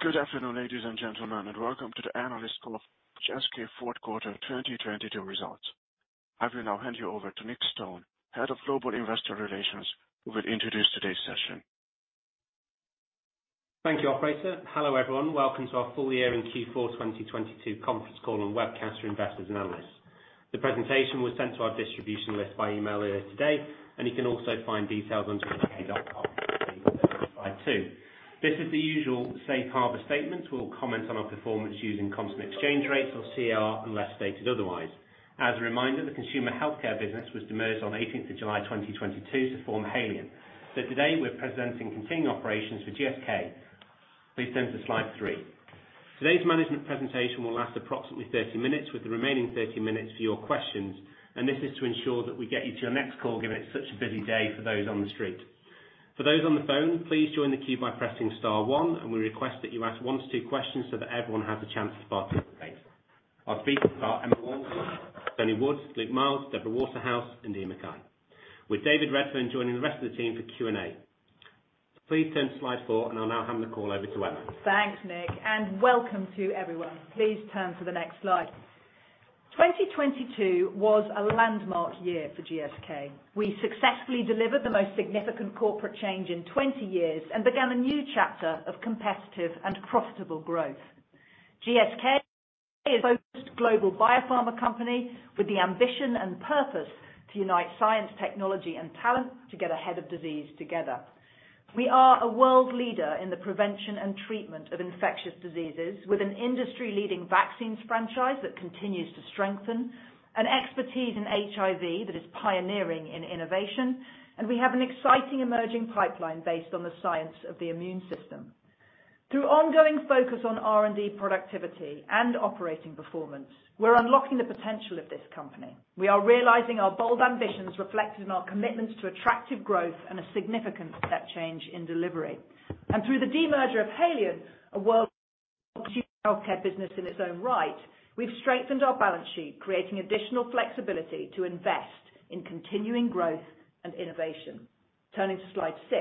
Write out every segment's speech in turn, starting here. Good afternoon, ladies and gentlemen, and welcome to the analyst call for GSK fourth quarter 2022 results. I will now hand you over to Nick Stone, Head of Global Investor Relations, who will introduce today's session. Thank you, operator. Hello, everyone. Welcome to our full year in Q4 2022 conference call and webcast for investors and analysts. The presentation was sent to our distribution list by email earlier today, and you can also find details on gsk.com too. This is the usual safe harbor statement. We'll comment on our performance using constant exchange rates or CER, unless stated otherwise. As a reminder, the consumer healthcare business was demerged on 18th of July 2022 to form Haleon. Today we're presenting continuing operations for GSK. Please turn to slide three. Today's management presentation will last approximately 30 minutes, with the remaining 30 minutes for your questions. This is to ensure that we get you to your next call, given it's such a busy day for those on the street. For those on the phone, please join the queue by pressing star one. We request that you ask one to two questions so that everyone has a chance to participate. Our speakers are Emma Walmsley, Tony Wood, Luke Miels, Deborah Waterhouse Waterhouse, and Iain Mackay, with David Redfern joining the rest of the team for Q&A. Please turn to slide 4. I'll now hand the call over to Emma. Thanks, Nick, and welcome to everyone. Please turn to the next slide. 2022 was a landmark year for GSK. We successfully delivered the most significant corporate change in 20 years and began a new chapter of competitive and profitable growth. GSK is a focused global biopharma company with the ambition and purpose to unite science, technology and talent to get ahead of disease together. We are a world leader in the prevention and treatment of infectious diseases, with an industry-leading vaccines franchise that continues to strengthen and expertise in HIV that is pioneering in innovation. We have an exciting emerging pipeline based on the science of the immune system. Through ongoing focus on R&D productivity and operating performance, we're unlocking the potential of this company. We are realizing our bold ambitions reflected in our commitments to attractive growth and a significant step change in delivery. Through the demerger of Haleon, a world healthcare business in its own right, we've strengthened our balance sheet, creating additional flexibility to invest in continuing growth and innovation. Turning to slide 6.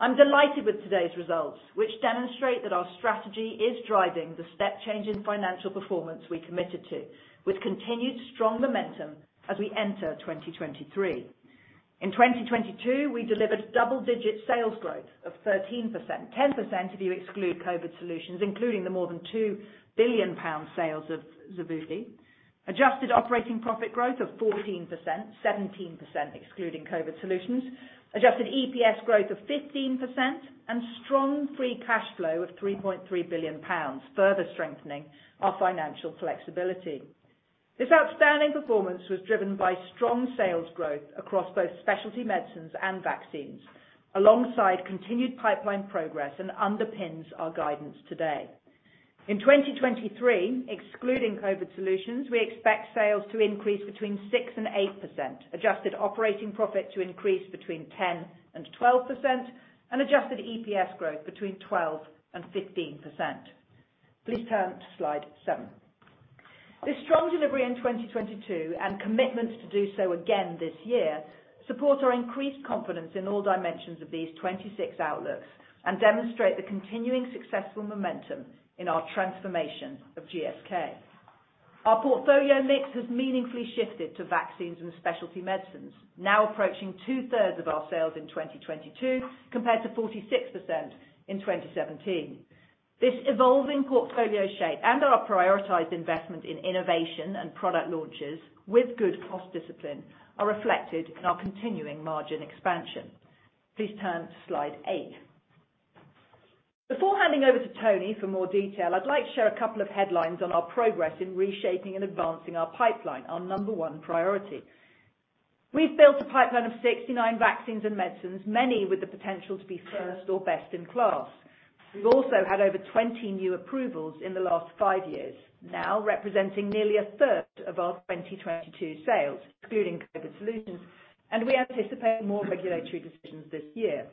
I'm delighted with today's results, which demonstrate that our strategy is driving the step change in financial performance we committed to with continued strong momentum as we enter 2023. In 2022, we delivered double-digit sales growth of 13%. 10% if you exclude COVID solutions, including the more than two billion pound sales of Xevudy. Adjusted operating profit growth of 14%, 17% excluding COVID solutions. Adjusted EPS growth of 15% and strong free cash flow of 3.3 billion pounds, further strengthening our financial flexibility. This outstanding performance was driven by strong sales growth across both specialty medicines and vaccines, alongside continued pipeline progress and underpins our guidance today. In 2023, excluding COVID solutions, we expect sales to increase between 6% and 8%, adjusted operating profit to increase between 10% and 12%, and adjusted EPS growth between 12% and 15%. Please turn to slide seven. This strong delivery in 2022 and commitments to do so again this year support our increased confidence in all dimensions of these 2026 outlooks and demonstrate the continuing successful momentum in our transformation of GSK. Our portfolio mix has meaningfully shifted to vaccines and specialty medicines, now approaching 2/3 of our sales in 2022, compared to 46% in 2017. This evolving portfolio shape and our prioritized investment in innovation and product launches with good cost discipline are reflected in our continuing margin expansion. Please turn to slide 8. Before handing over to Tony Wood for more detail, I'd like to share a couple of headlines on our progress in reshaping and advancing our pipeline, our number one priority. We've built a pipeline of 69 vaccines and medicines, many with the potential to be first or best in class. We've also had over 20 new approvals in the last 5 years, now representing nearly 1/3 of our 2022 sales, excluding COVID solutions, and we anticipate more regulatory decisions this year.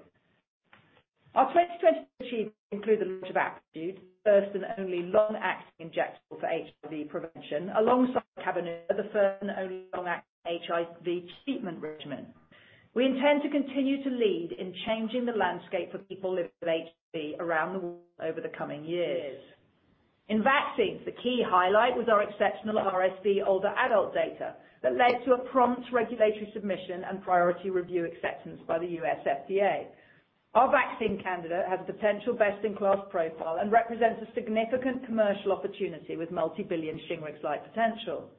Our 2022 achievements include the launch of Apretude, the first and only long-acting injectable for HIV prevention, alongside Cabenuva, the first and only long-acting HIV treatment regimen. We intend to continue to lead in changing the landscape for people living with HIV around the world over the coming years. In vaccines, the key highlight was our exceptional RSV older adult data that led to a prompt regulatory submission and priority review acceptance by the U.S. FDA. Our vaccine candidate has a potential best in class profile and represents a significant commercial opportunity with womulti-billion Shingrix-like potential.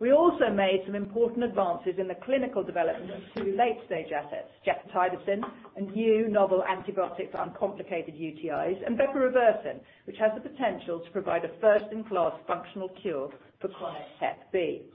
We also made some important advances in the clinical development of two late-stage assets, gepotidacin, a new novel antibiotic for uncomplicated UTIs, and bepirovirsen, which has the potential to provide a first in class functional cure for chronic hep B.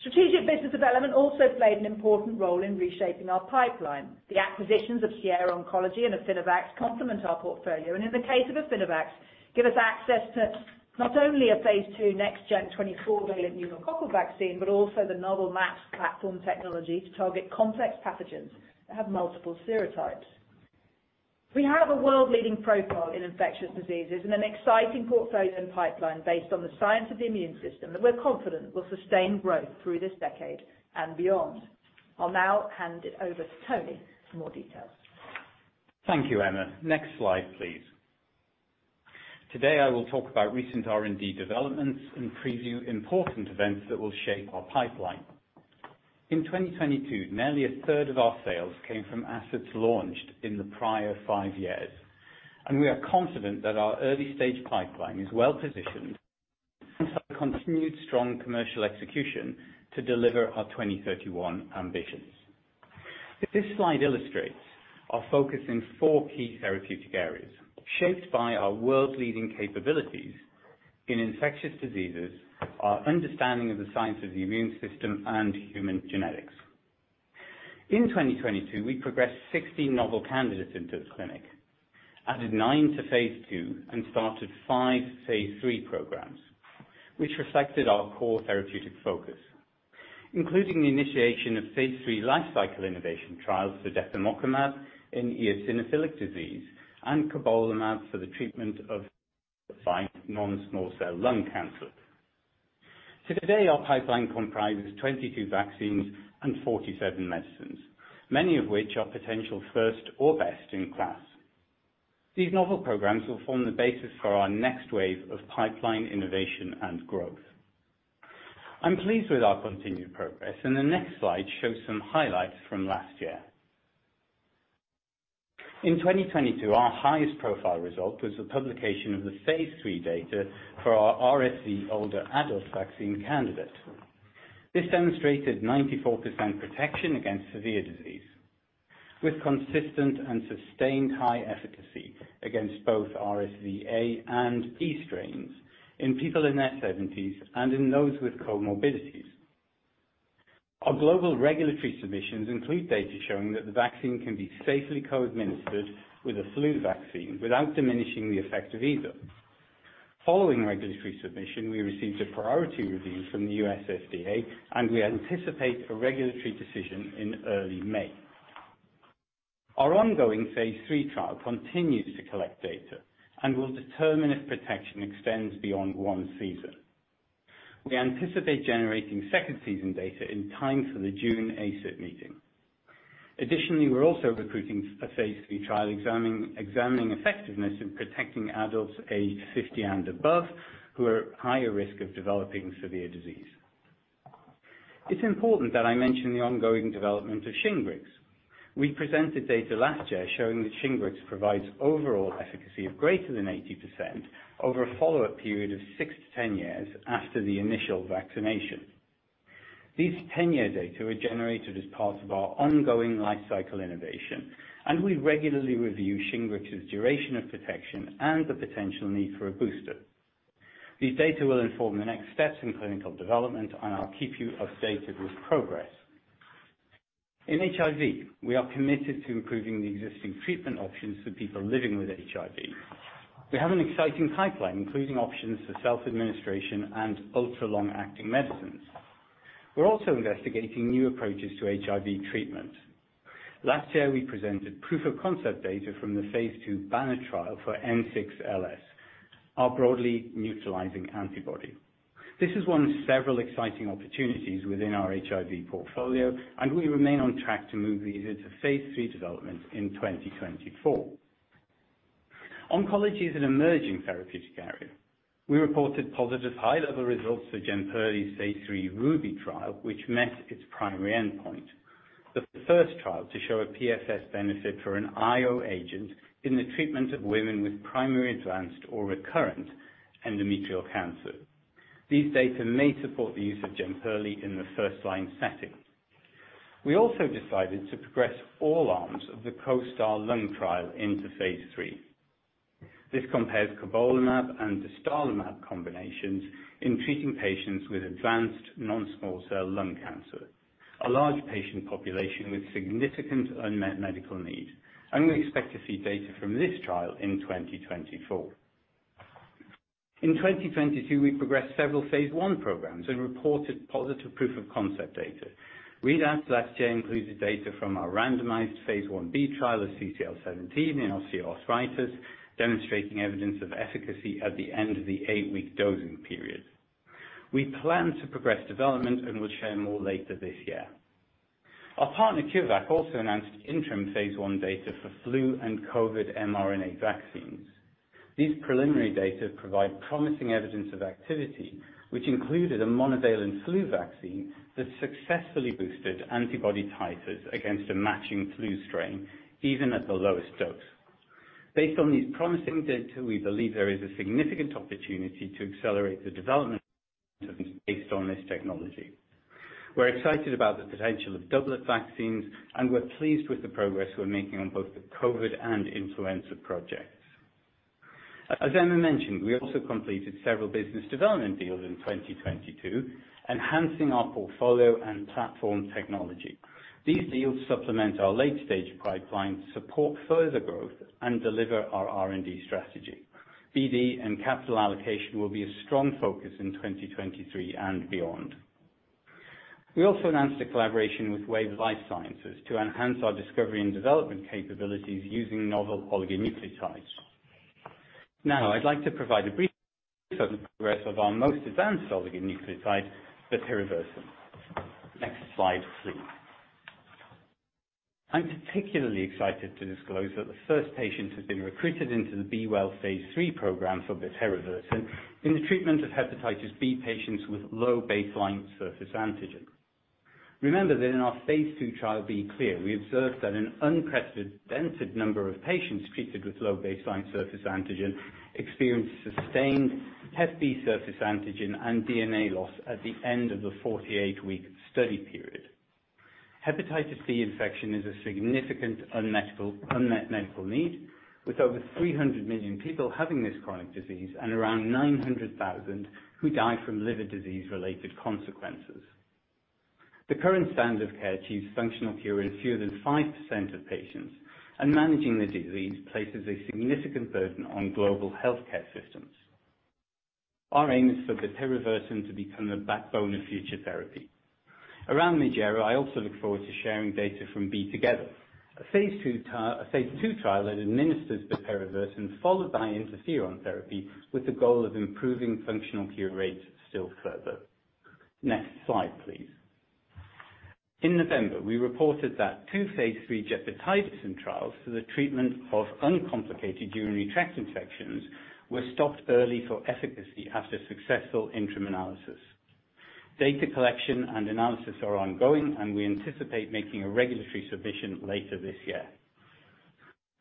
Strategic business development also played an important role in reshaping our pipeline. The acquisitions of Sierra Oncology and Affinivax complement our portfolio, and in the case of Affinivax, give us access to not only a phase two next gen 24 valent pneumococcal vaccine, but also th novel MAPS platform technology to target complex pathogens that have multiple serotypes. We have a world-leading profile in infectious diseases and an exciting portfolio and pipeline based on the science of the immune system that we're confident will sustain growth through this decade and beyond. I'll now hand it over to Tony Wood for more details. Thank you, Emma. Next slide, please. Today, I will talk about recent R&D developments and preview important events that will shape our pipeline. In 2022, nearly a third of our sales came from assets launched in the prior five years. We are confident that our early-stage pipeline is well-positioned for continued strong commercial execution to deliver our 2031 ambitions. This slide illustrates our focus in four key therapeutic areas shaped by our world-leading capabilities in infectious diseases, our understanding of the science of the immune system, and human genetics. In 2022, we progressed 60 novel candidates into the clinic, added nine to phase two, and started five phase three programs, which reflected our core therapeutic focus, including the initiation of phase three life cycle innovation trials for tepemokimab in eosinophilic disease and cobolimab for the treatment of five non-small cell lung cancer. Today our pipeline comprises 22 vaccines and 47 medicines, many of which are potential first or best in class. These novel programs will form the basis for our next wave of pipeline innovation and growth. I'm pleased with our continued progress. The next slide shows some highlights from last year. In 2022, our highest profile result was the publication of the phase three data for our RSV older adult vaccine candidate. This demonstrated 94% protection against severe disease, with consistent and sustained high efficacy against both RSVA and B strains in people in their 70s and in those with comorbidities. Our global regulatory submissions include data showing that the vaccine can be safely co-administered with a flu vaccine without diminishing the effect of either. Following regulatory submission, we received a priority review from the U.S. FDA. We anticipate a regulatory decision in early May. Our ongoing phase three trial continues to collect data and will determine if protection extends beyond one season. We anticipate generating second season data in time for the June ACIP meeting. We're also recruiting a phase three trial examining effectiveness in protecting adults aged 50 and above who are at higher risk of developing severe disease. It's important that I mention the ongoing development of Shingrix. We presented data last year showing that Shingrix provides overall efficacy of greater than 80% over a follow-up period of six-10 years after the initial vaccination. These 10-year data were generated as part of our ongoing life cycle innovation, and we regularly review Shingrix's duration of protection and the potential need for a booster. These data will inform the next steps in clinical development, and I'll keep you updated with progress. In HIV, we are committed to improving the existing treatment options for people living with HIV. We have an exciting pipeline, including options for self-administration and ultra-long-acting medicines. We're also investigating new approaches to HIV treatment. Last year, we presented proof-of-concept data from the phase two BANNER trial for N6LS, our broadly neutralizing antibody. This is one of several exciting opportunities within our HIV portfolio, and we remain on track to move these into phase three development in 2024. Oncology is an emerging therapeutic area. We reported positive high-level results for Jemperli's phase three RUBY trial, which met its primary endpoint. The first trial to show a PFS benefit for an IO agent in the treatment of women with primary advanced or recurrent endometrial cancer. These data may support the use of Jemperli in the first line setting. We also decided to progress all arms of the COSTAR lung trial into phase three. This compares cobolimab and dostarlimab combinations in treating patients with advanced non-small cell lung cancer. A large patient population with significant unmet medical needs. We expect to see data from this trial in 2024. In 2022, we progressed several phase one programs and reported positive proof-of-concept data. Readout last year included data from our randomized phase 1B trial of CCL17 in osteoarthritis, demonstrating evidence of efficacy at the end of the eight week dosing period. We plan to progress development and will share more later this year. Our partner, CureVac, also announced interim phase 1 data for flu and COVID mRNA vaccines. These preliminary data provide promising evidence of activity, which included a monovalent flu vaccine that successfully boosted antibody titers against a matching flu strain, even at the lowest dose. Based on these promising data, we believe there is a significant opportunity to accelerate the development based on this technology. We're excited about the potential of doublet vaccines, and we're pleased with the progress we're making on both the COVID and influenza projects. As Emma mentioned, we also completed several business development deals in 2022, enhancing our portfolio and platform technology. These deals supplement our late-stage pipeline, support further growth, and deliver our R&D strategy. BD and capital allocation will be a strong focus in 2023 and beyond. We also announced a collaboration with Wave Life Sciences to enhance our discovery and development capabilities using novel oligonucleotides. I'd like to provide a brief progress of our most advanced oligonucleotide, bepirovirsen. Next slide, please. I'm particularly excited to disclose that the first patient has been recruited into the B-Well phase three program for bepirovirsen in the treatment of Hepatitis B patients with low baseline surface antigen. Remember that in our phase two trial B-Clear, we observed that an unprecedented number of patients treated with low baseline surface antigen experienced sustained hep B surface antigen and DNA loss at the end of the 48-week study period. Hepatitis B infection is a significant unmet medical need, with over 300 million people having this chronic disease and around 900,000 who die from liver disease-related consequences. The current standard of care achieves functional cure in fewer than 5% of patients, and managing the disease places a significant burden on global healthcare systems. Our aim is for bepirovirsen to become the backbone of future therapy. uncertain, I also look forward to sharing data from B-Together, a phase two trial that administers bepirovirsen followed by interferon therapy with the goal of improving functional cure rates still further. Next slide, please. In November, we reported that two phase three gepotidacin trials for the treatment of uncomplicated urinary tract infections were stopped early for efficacy after successful interim analysis. Data collection and analysis are ongoing, we anticipate making a regulatory submission later this year.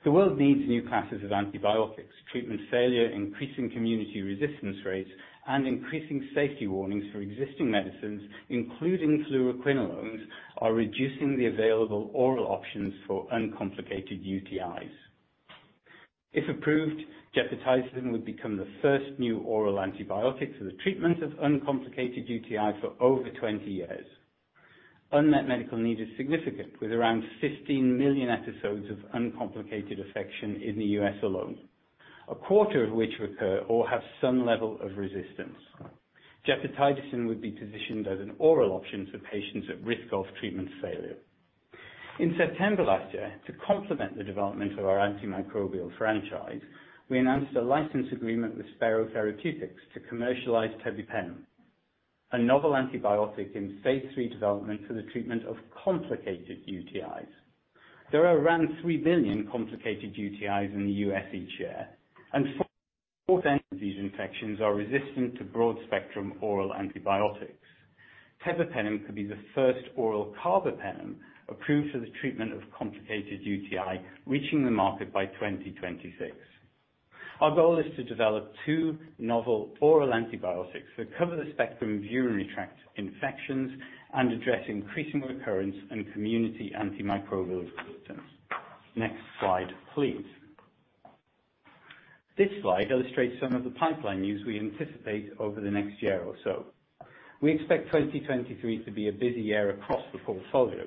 The world needs new classes of antibiotics. Treatment failure, increasing community resistance rates, and increasing safety warnings for existing medicines, including fluoroquinolones, are reducing the available oral options for uncomplicated UTIs. If approved, gepotidacin would become the first new oral antibiotic for the treatment of uncomplicated UTI for over 20 years. Unmet medical need is significant, with around 15 million episodes of uncomplicated infection in the U.S. alone, a quarter of which recur or have some level of resistance. gepotidacin would be positioned as an oral option for patients at risk of treatment failure. In September last year, to complement the development of our antimicrobial franchise, we announced a license agreement with Spero Therapeutics to commercialize tebipenem, a novel antibiotic in phase three development for the treatment of complicated UTIs. There are around three billion complicated UTIs in the U.S. each year, and four-fourth of these infections are resistant to broad-spectrum oral antibiotics. Tebipenem could be the first oral carbapenem approved for the treatment of complicated UTI, reaching the market by 2026. Our goal is to develop two novel oral antibiotics that cover the spectrum of urinary tract infections and address increasing recurrence and community antimicrobial resistance. Next slide, please. This slide illustrates some of the pipeline news we anticipate over the next year or so. We expect 2023 to be a busy year across the portfolio.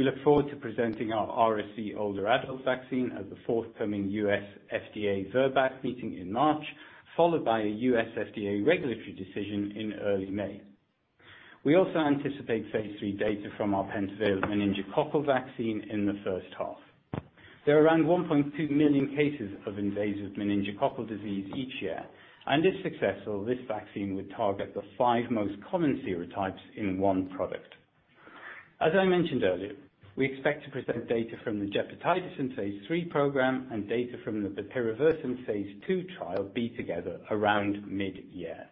We look forward to presenting our RSV older adult vaccine at the forthcoming U.S. FDA VRBPAC meeting in March, followed by a U.S. FDA regulatory decision in early May. We also anticipate phase three data from our pentavalent meningococcal vaccine in the first half. There are around 1.2 million cases of invasive meningococcal disease each year, and if successful, this vaccine would target the five most common serotypes in one product. As I mentioned earlier, we expect to present data from the gepotidacin phase three program and data from the bepirovirsen phase two trial B-Together around mid-year.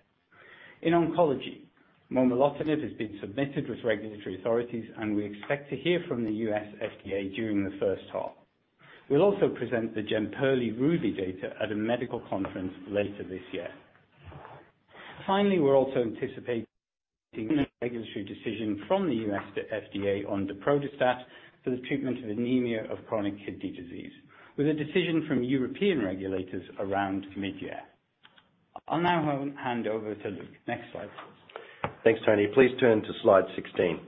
In oncology, momelotinib has been submitted with regulatory authorities, and we expect to hear from the U.S. FDA during the first half. We'll also present the Jemperli RUBY data at a medical conference later this year. We're also anticipating a regulatory decision from the U.S. FDA on daprodustat for the treatment of anemia of chronic kidney disease, with a decision from European regulators around mid-year. I'll now hand over to Luke. Next slide, please. Thanks, Tony Wood. Please turn to slide 16.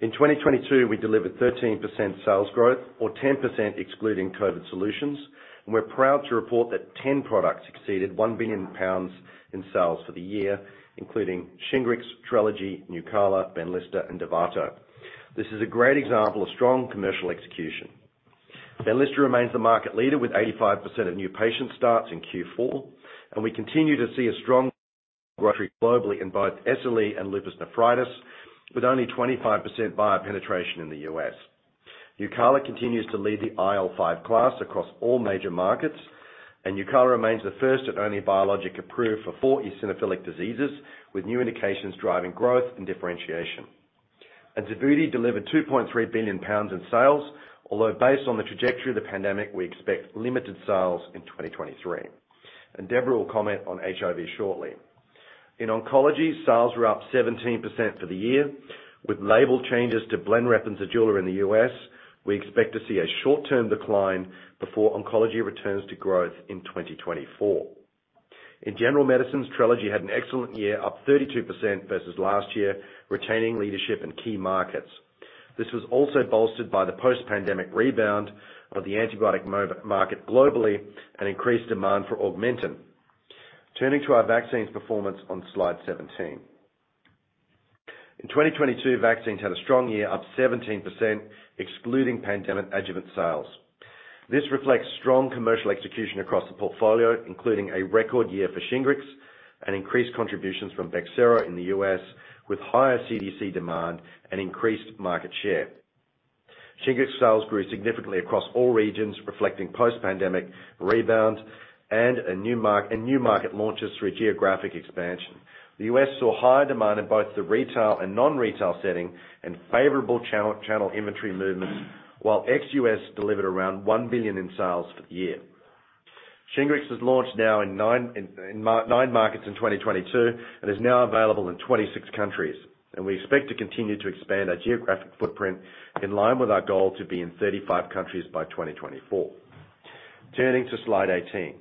In 2022, we delivered 13% sales growth, or 10% excluding COVID solutions. We're proud to report that 10 products exceeded 1 billion pounds in sales for the year, including Shingrix, Trelegy, Nucala, Benlysta, and Dovato. This is a great example of strong commercial execution. Benlysta remains the market leader with 85% of new patient starts in Q4, and we continue to see a strong growth rate globally in both SLE and lupus nephritis, with only 25% buyer penetration in the U.S. Nucala continues to lead the IL-5 class across all major markets, Nucala remains the first and only biologic approved for four eosinophilic diseases, with new indications driving growth and differentiation. Xevudy delivered 2.3 billion pounds in sales, although based on the trajectory of the pandemic, we expect limited sales in 2023. Deborah will comment on HIV shortly. In oncology, sales were up 17% for the year with label changes to Blenrep and Zejula in the U.S. We expect to see a short-term decline before oncology returns to growth in 2024. In general medicines, Trelegy had an excellent year, up 32% versus last year, retaining leadership in key markets. This was also bolstered by the post-pandemic rebound of the antibiotic market globally and increased demand for Augmentin. Turning to our vaccines performance on slide 17. In 2022, vaccines had a strong year, up 17%, excluding pandemic adjuvant sales. This reflects strong commercial execution across the portfolio, including a record year for Shingrix and increased contributions from Bexsero in the U.S., with higher CDC demand and increased market share. Shingrix sales grew significantly across all regions, reflecting post pandemic rebound and a new. New market launches through geographic expansion. The U.S. saw higher demand in both the retail and non-retail setting and favorable channel inventory movements, while ex-U.S. delivered around one billion in sales for the year. Shingrix was launched now in nine markets in 2022 and is now available in 26 countries. We expect to continue to expand our geographic footprint in line with our goal to be in 35 countries by 2024. Turning to slide 18.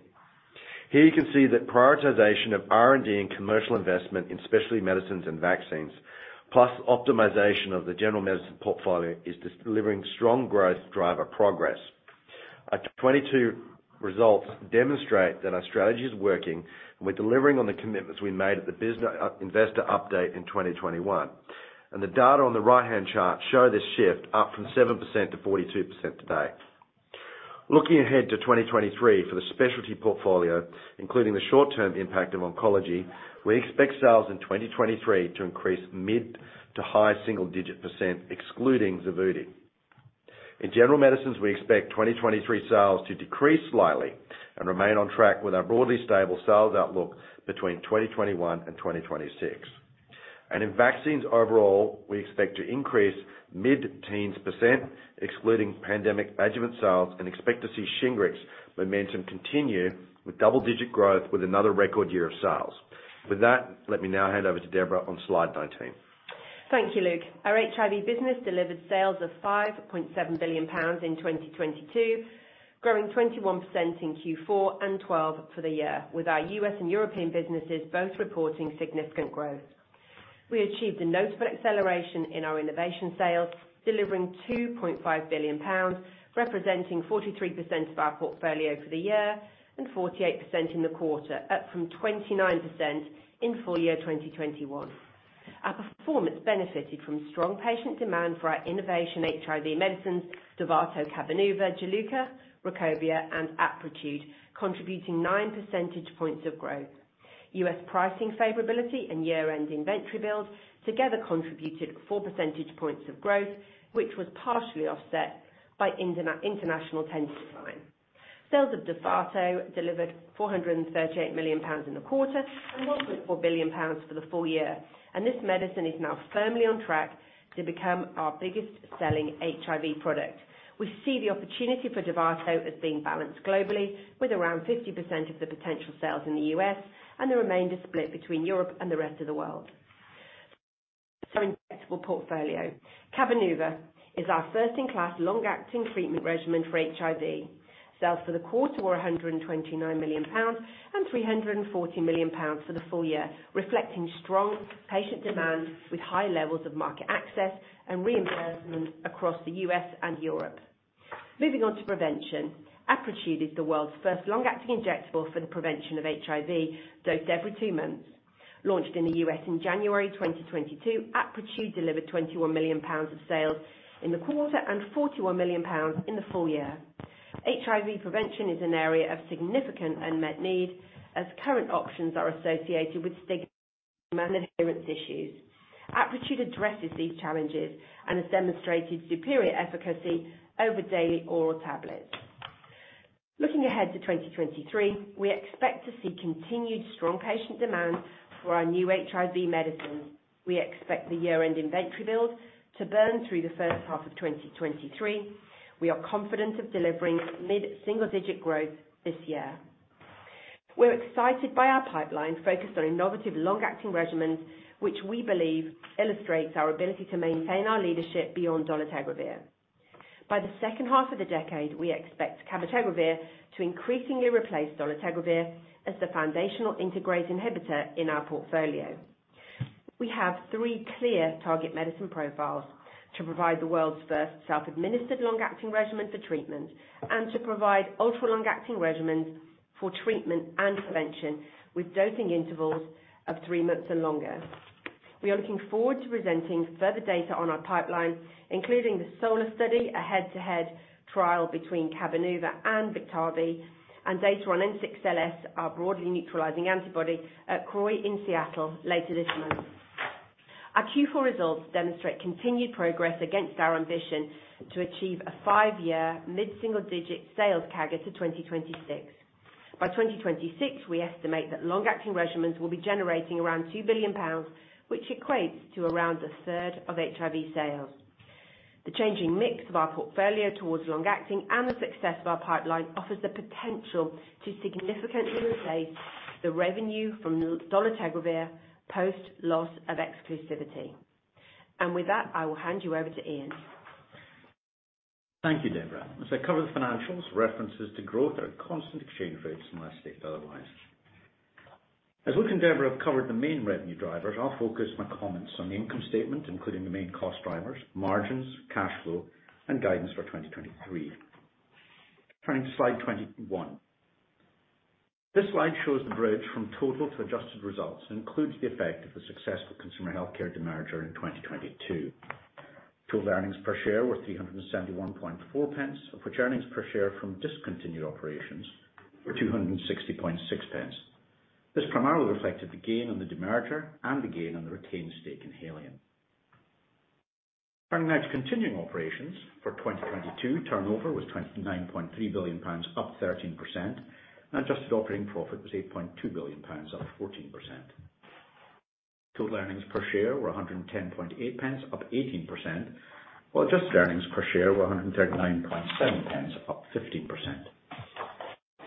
Here you can see that prioritization of R&D and commercial investment in specialty medicines and vaccines, plus optimization of the general medicine portfolio is delivering strong growth driver progress. Our 2022 results demonstrate that our strategy is working. We're delivering on the commitments we made at the business investor update in 2021. The data on the right-hand chart show this shift up from -42% today. Looking ahead to 2023 for the specialty portfolio, including the short term impact of oncology, we expect sales in 2023 to increase mid to high single-digit % excluding Xevudy. In general medicines, we expect 2023 sales to decrease slightly and remain on track with our broadly stable sales outlook between 2021 and 2026. In vaccines overall, we expect to increase mid-teens % excluding pandemic adjuvant sales and expect to see Shingrix momentum continue with double-digit growth with another record year of sales. Let me now hand over to Deborah on slide 19. Thank you, Luke. Our HIV business delivered sales of 5.7 billion pounds in 2022, growing 21% in Q4 and 12% for the year, with our U.S. and European businesses both reporting significant growth. We achieved a notable acceleration in our innovation sales, delivering 2.5 billion pounds, representing 43% of our portfolio for the year and 48% in the quarter, up from 29% in full year 2021. Our performance benefited from strong patient demand for our innovation HIV medicines, Dovato, Cabenuva, Juluca, Rekambys, and Apretude, contributing nine percentage points of growth. U.S. pricing favorability and year-end inventory build together contributed four percentage points of growth, which was partially offset by international tender design. Sales of Dovato delivered 438 million pounds in the quarter and 1.4 billion pounds for the full year. This medicine is now firmly on track to become our biggest selling HIV product. We see the opportunity for Dovato as being balanced globally, with around 50% of the potential sales in the U.S. and the remainder split between Europe and the rest of the world. Injectable portfolio. Cabenuva is our first-in-class long-acting treatment regimen for HIV. Sales for the quarter 129 million pounds and 340 million pounds for the full year, reflecting strong patient demand with high levels of market access and reimbursement across the U.S. and Europe. Moving on to prevention. Apretude is the world's first long-acting injectable for the prevention of HIV, dosed every two months. Launched in the U.S. in January 2022, Apretude delivered GBP 21 million of sales in the quarter and 41 million pounds in the full year. HIV prevention is an area of significant unmet need, as current options are associated with stigma and adherence issues. Apretude addresses these challenges and has demonstrated superior efficacy over daily oral tablets. Looking ahead to 2023, we expect to see continued strong patient demand for our new HIV medicine. We expect the year-end inventory build to burn through the first half of 2023. We are confident of delivering mid-single-digit growth this year. We're excited by our pipeline focused on innovative long-acting regimens, which we believe illustrates our ability to maintain our leadership beyond dolutegravir. By the second half of the decade, we expect cabotegravir to increasingly replace dolutegravir as the foundational integrase inhibitor in our portfolio. We have three clear target medicine profiles to provide the world's first self-administered long-acting regimen for treatment and to provide ultra-long-acting regimens for treatment and prevention with dosing intervals of 3 months and longer. We are looking forward to presenting further data on our pipeline, including the SOLAR study, a head-to-head trial between Cabenuva and Biktarvy, and data on N6LS, our broadly neutralizing antibody at CROI in Seattle later this month. Our Q4 results demonstrate continued progress against our ambition to achieve a five year mid-single-digit sales CAGR to 2026. By 2026, we estimate that long-acting regimens will be generating around 2 billion pounds, which equates to around a third of HIV sales. The changing mix of our portfolio towards long-acting and the success of our pipeline offers the potential to significantly replace the revenue from dolutegravir post loss of exclusivity. With that, I will hand you over Iain Mackay. Thank you, Deborah. As I cover the financials, references to growth are at constant exchange rates unless stated otherwise. As Luke and Deborah have covered the main revenue drivers, I'll focus my comments on the income statement, including the main cost drivers, margins, cash flow, and guidance for 2023. Turning to slide 21. This slide shows the bridge from total to adjusted results, includes the effect of the successful consumer healthcare demerger in 2022. Total earnings per share were 3.714, of which earnings per share from discontinued operations were 2.606. This primarily reflected the gain on the demerger and the gain on the retained stake in Haleon. Turning now to continuing operations. For 2022, turnover was 29.3 billion pounds, up 13%. Net adjusted operating profit was 8.2 billion pounds, up 14%. Total earnings per share were 1.108, up 18%, while adjusted earnings per share were 1.397, up 15%.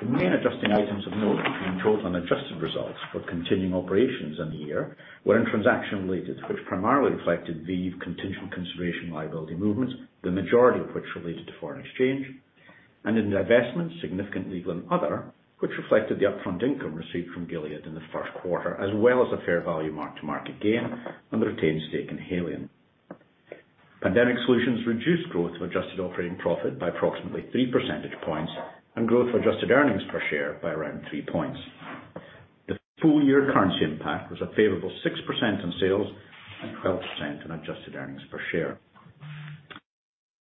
The main adjusting items of note between total and adjusted results for continuing operations in the year were in transaction related, which primarily reflected the contingent consideration liability movements, the majority of which related to foreign exchange and in the investments, significant legal and other which reflected the upfront income received from Gilead in the first quarter, as well as a fair value mark to market gain on the retained stake in Haleon. Pandemic solutions reduced growth of adjusted operating profit by approximately 3 percentage points and growth for adjusted earnings per share by around 3 points. The full year currency impact was a favorable 6% in sales and 12% in adjusted earnings per share.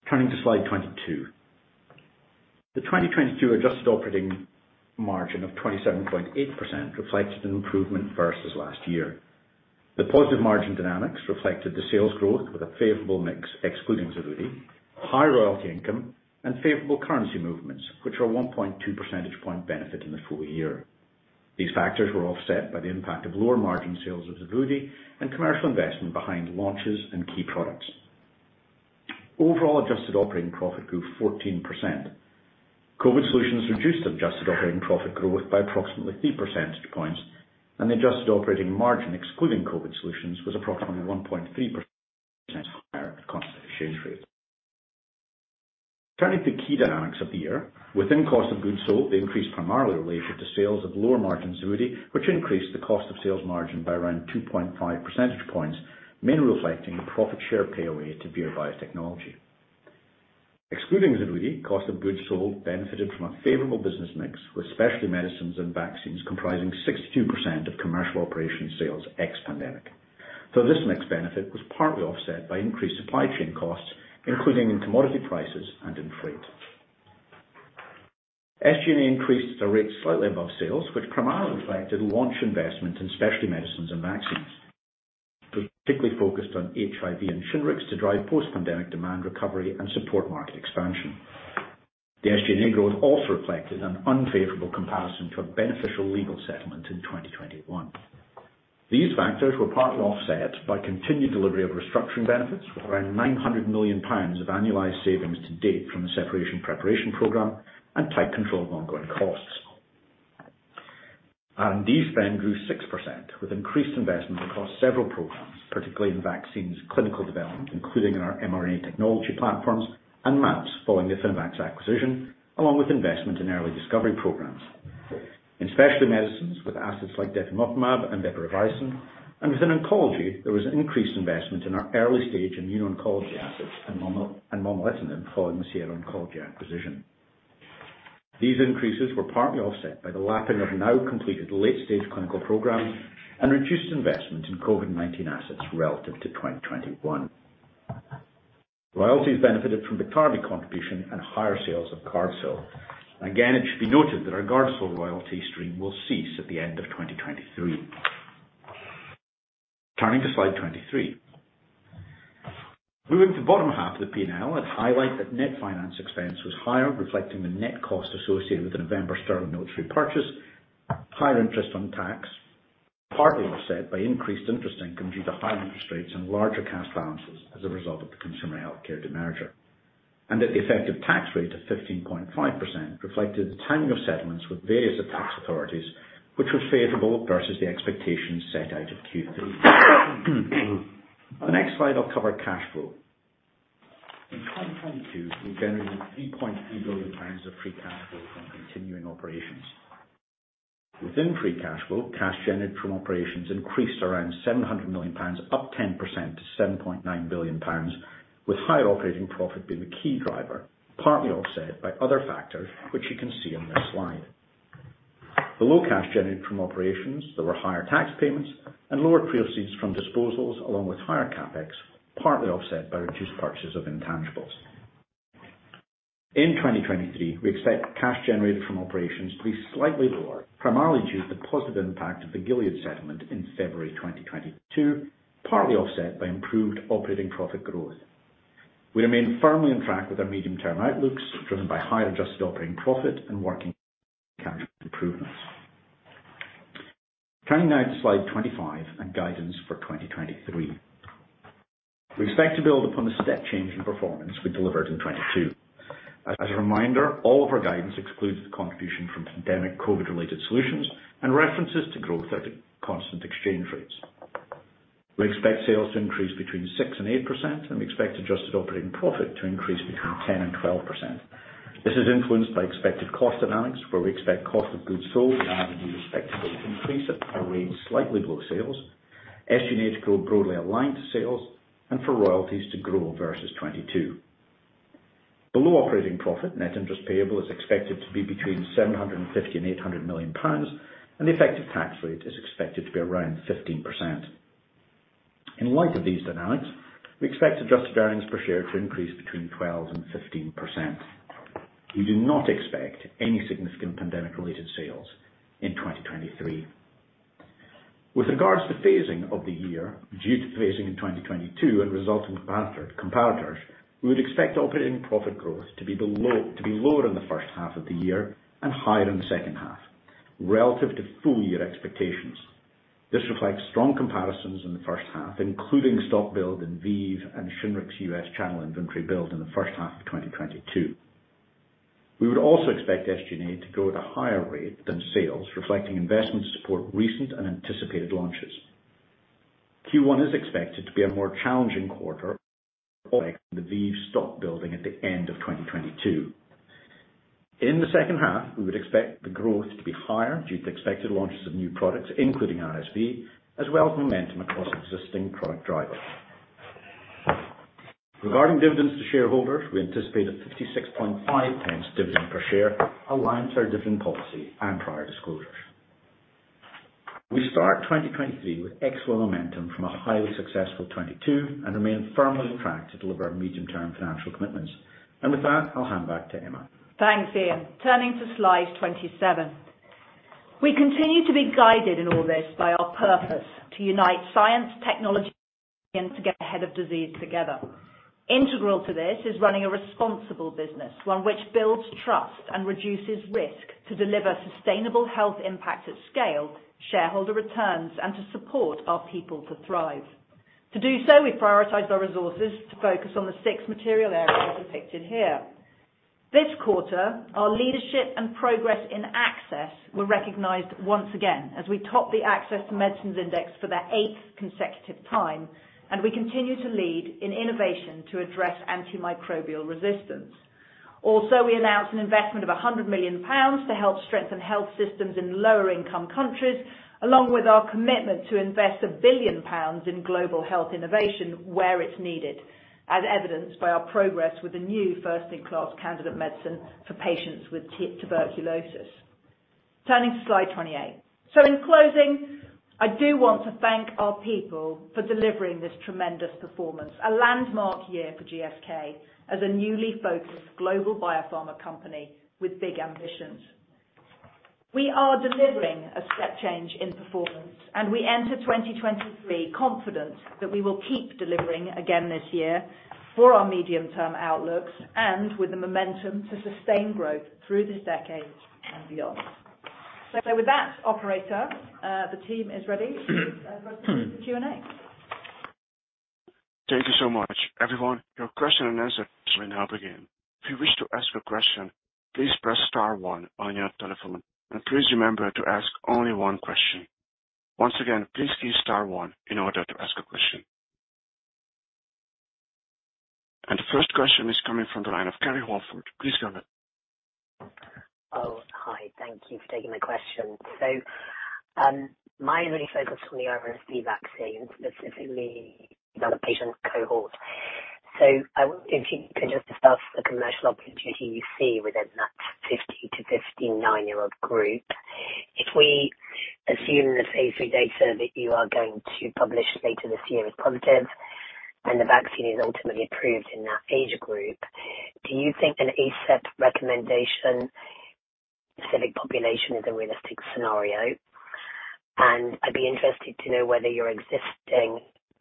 Turning to slide 22. The 2022 adjusted operating margin of 27.8% reflected an improvement versus last year. The positive margin dynamics reflected the sales growth with a favorable mix, excluding Xevudy, high royalty income and favorable currency movements, which are a 1.2 percentage point benefit in the full year. These factors were offset by the impact of lower margin sales of Xevudy and commercial investment behind launches and key products. Overall adjusted operating profit grew 14%. COVID solutions reduced adjusted operating profit growth by approximately 3 percentage points, and the adjusted operating margin, excluding COVID solutions, was approximately 1.3% higher at constant exchange rate. Turning to the key dynamics of the year. Within cost of goods sold, the increase primarily related to sales of lower margin Xevudy, which increased the cost of sales margin by around 2.5 percentage points, mainly reflecting a profit share pay away to BioNTech. Excluding Xevudy, cost of goods sold benefited from a favorable business mix with specialty medicines and vaccines comprising 62% of commercial operation sales ex pandemic. This mix benefit was partly offset by increased supply chain costs, including in commodity prices and in freight. SG&A increased at a rate slightly above sales, which primarily affected launch investment in specialty medicines and vaccines. We particularly focused on HIV and Shingrix to drive post pandemic demand recovery and support market expansion. The SG&A growth also reflected an unfavorable comparison to a beneficial legal settlement in 2021. These factors were partly offset by continued delivery of restructuring benefits with around 900 million pounds of annualized savings to date from the separation preparation program and tight control of ongoing costs. R&D spend grew 6% with increased investment across several programs, particularly in vaccines clinical development, including our mRNA technology platforms and MAPS following the Affinivax acquisition, along with investment in early discovery programs. In specialty medicines with assets like otilimab and bepirovirsen, and within oncology, there was increased investment in our early stage immuno-oncology assets and momelotinib following the Sierra Oncology acquisition. These increases were partly offset by the lapping of now completed late-stage clinical programs and reduced investment in COVID-19 assets relative to 2021. Royalties benefited from Biktarvy contribution and higher sales of carfilzomib. It should be noted that our carfilzomib royalty stream will cease at the end of 2023. Turning to slide 23. Moving to bottom half of the P&L, I'd highlight that net finance expense was higher, reflecting the net cost associated with the November sterling notes repurchase. Higher interest on tax, partly offset by increased interest income due to higher interest rates and larger cash balances as a result of the consumer healthcare demerger. The effective tax rate of 15.5% reflected the timing of settlements with various tax authorities which were favorable versus the expectations set out in Q3. On the next slide, I'll cover cash flow. In 2022, we generated 3.3 billion pounds of free cash flow from continuing operations. Within free cash flow, cash generated from operations increased around 700 million pounds, up 10% to 7.9 billion pounds, with higher operating profit being the key driver, partly offset by other factors which you can see on this slide. Below cash generated from operations, there were higher tax payments and lower proceeds from disposals, along with higher CapEx, partly offset by reduced purchases of intangibles. In 2023, we expect cash generated from operations to be slightly lower, primarily due to the positive impact of the Gilead settlement in February 2022, partly offset by improved operating profit growth. We remain firmly on track with our medium-term outlooks, driven by higher adjusted operating profit and working cash improvements. Turning now to slide 25 and guidance for 2023. We expect to build upon the step change in performance we delivered in 2022. As a reminder, all of our guidance excludes the contribution from pandemic COVID related solutions and references to growth at constant exchange rates. We expect sales to increase between 6%-8%, and we expect adjusted operating profit to increase between 10%-12%. This is influenced by expected cost dynamics, where we expect cost of goods sold and R&D respectively to increase at a rate slightly below sales, SG&A to grow broadly aligned to sales, and for royalties to grow versus 2022. Below operating profit, net interest payable is expected to be between 750 million and 800 million pounds, and the effective tax rate is expected to be around 15%. In light of these dynamics, we expect adjusted earnings per share to increase between 12% and 15%. We do not expect any significant pandemic-related sales in 2023. With regards to phasing of the year, due to phasing in 2022 and resulting comparators, we would expect operating profit growth to be lower in the first half of the year and higher in the second half, relative to full year expectations. This reflects strong comparisons in the first half, including stock build in ViiV and Shingrix U.S. channel inventory build in the first half of 2022. We would also expect SG&A to grow at a higher rate than sales, reflecting investment support, recent and anticipated launches. Q1 is expected to be a more challenging quarter, reflecting the ViiV stock building at the end of 2022. In the second half, we would expect the growth to be higher due to expected launches of new products, including RSV, as well as momentum across existing product drivers. Regarding dividends to shareholders, we anticipate a 56.5 pence dividend per share, aligned to our dividend policy and prior disclosures. We start 2023 with excellent momentum from a highly successful 2022 and remain firmly on track to deliver our medium-term financial commitments. With that, I'll hand back to Emma. Thanks, Iain Mackay. Turning to slide 27. We continue to be guided in all this by our purpose to unite science, technology and to get ahead of disease together. Integral to this is running a responsible business, one which builds trust and reduces risk to deliver sustainable health impact at scale, shareholder returns, and to support our people to thrive. To do so, we prioritize our resources to focus on the six material areas depicted here. This quarter, our leadership and progress in access were recognized once again as we top the Access to Medicine Index for the 8th consecutive time, and we continue to lead in innovation to address antimicrobial resistance. Also, we announced an investment of 100 million pounds to help strengthen health systems in lower income countries, along with our commitment to invest 1 billion pounds in global health innovation where it's needed, as evidenced by our progress with the new first-in-class candidate medicine for patients with tuberculosis. Turning to slide 28. In closing, I do want to thank our people for delivering this tremendous performance. A landmark year for GSK as a newly focused global biopharma company with big ambitions. We are delivering a step change in performance, and we enter 2023 confident that we will keep delivering again this year for our medium-term outlooks and with the momentum to sustain growth through this decade and beyond. With that, operator, the team is ready to address the Q&A. Thank you so much. Everyone, your question and answer will now begin. If you wish to ask a question, please press star 1 on your telephone, and please remember to ask only 1 question. Once again, please key star one in order to ask a question. The first question is coming from the line of Kerry Holford. Please go ahead. Hi. Thank you for taking my question. My only focus on the RSV vaccine, specifically on the patient cohort. If you could just discuss the commercial opportunity you see within that 50-59-year-old group. If we assume the phase three data that you are going to publish later this year is positive and the vaccine is ultimately approved in that age group, do you think an ACIP recommendation specific population is a realistic scenario? I'd be interested to know whether your existing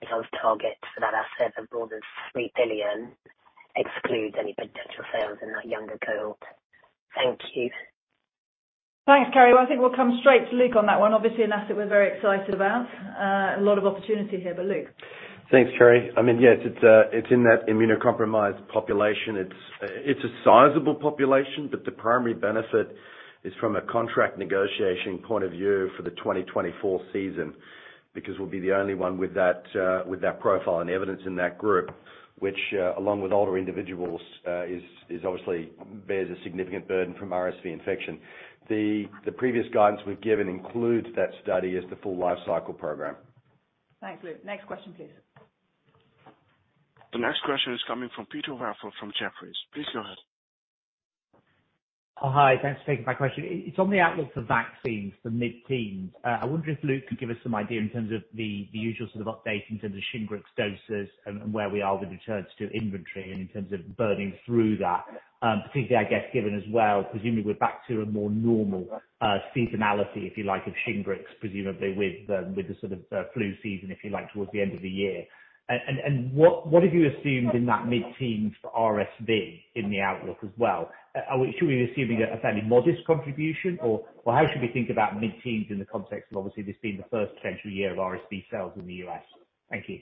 sales target for that asset of more than three billion excludes any potential sales in that younger cohort. Thank you. Thanks, Kerry. I think we'll come straight to Luke on that one. An asset we're very excited about. A lot of opportunity here, Luke. Thanks, Kerry. I mean, yes, it's in that immunocompromised population. It's a sizable population, but the primary benefit is from a contract negotiation point of view for the 2024 season, because we'll be the only one with that profile and evidence in that group, which, along with older individuals, is obviously bears a significant burden from RSV infection. The previous guidance we've given includes that study as the full life cycle program. Thanks, Luke. Next question, please. The next question is coming from Peter Welford from Jefferies. Please go ahead. Hi. Thanks for taking my question. It's on the outlook for vaccines for mid-teens. I wonder if Luke could give us some idea in terms of the usual sort of update in terms of Shingrix doses and where we are with returns to inventory and in terms of burning through that. Particularly, I guess, given as well, presumably we're back to a more normal seasonality, if you like, of Shingrix, presumably with the sort of flu season, if you like, towards the end of the year. What have you assumed in that mid-teen for RSV in the outlook as well? Should we be assuming a fairly modest contribution or how should we think about mid-teens in the context of obviously this being the first potential year of RSV sales in the US? Thank you.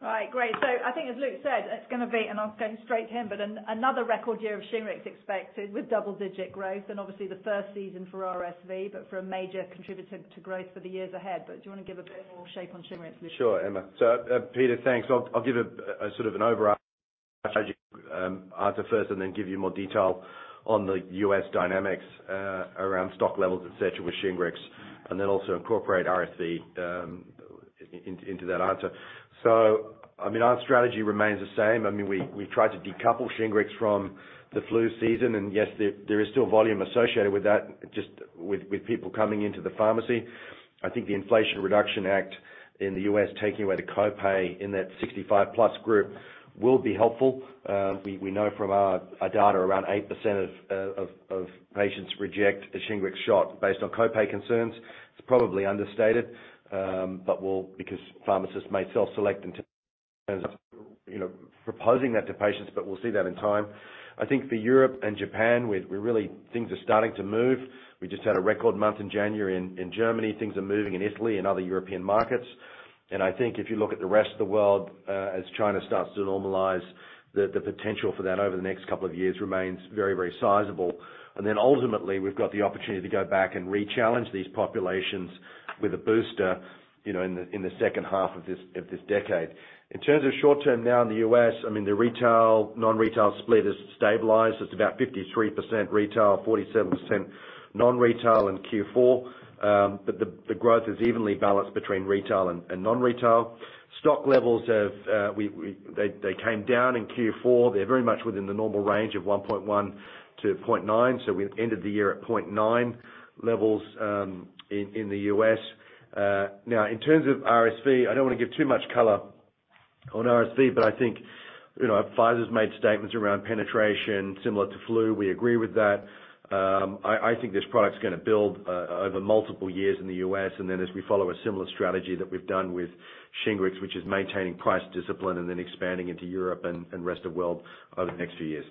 All right. Great. I think as Luke said, it's gonna be, and I'll go straight to him, but another record year of Shingrix expected with double-digit growth and obviously the first season for RSV, but for a major contributor to growth for the years ahead. Do you wanna give a bit more shape on Shingrix, Luke? Sure, Emma. Peter, thanks. I'll give a sort of an overarching answer first and then give you more detail on the U.S. dynamics around stock levels, et cetera, with Shingrix and then also incorporate RSV. into that answer. I mean, our strategy remains the same. I mean, we tried to decouple Shingrix from the flu season, yes, there is still volume associated with that, just with people coming into the pharmacy. I think the Inflation Reduction Act in the U.S. taking away the copay in that 65 plus group will be helpful. We know from our data around 8% of patients reject the Shingrix shot based on copay concerns. It's probably understated, because pharmacists may self-select and, you know, proposing that to patients, but we'll see that in time. I think for Europe and Japan, we really things are starting to move. We just had a record month in January in Germany. Things are moving in Italy and other European markets. I think if you look at the rest of the world, as China starts to normalize, the potential for that over the next couple of years remains very, very sizable. Ultimately, we've got the opportunity to go back and re-challenge these populations with a booster, you know, in the second half of this decade. In terms of short term now in the U.S., I mean, the retail, non-retail split has stabilized. It's about 53% retail, 47% non-retail in Q4. The growth is evenly balanced between retail and non-retail. Stock levels have they came down in Q4. They're very much within the normal range of 1.1-0.9. We ended the year at 0.9 levels in the U.S. In terms of RSV, I don't wanna give too much color on RSV, but I think, you know, Pfizer's made statements around penetration similar to flu. We agree with that. I think this product's gonna build over multiple years in the U.S., as we follow a similar strategy that we've done with Shingrix, which is maintaining price discipline and then expanding into Europe and rest of world over the next few years.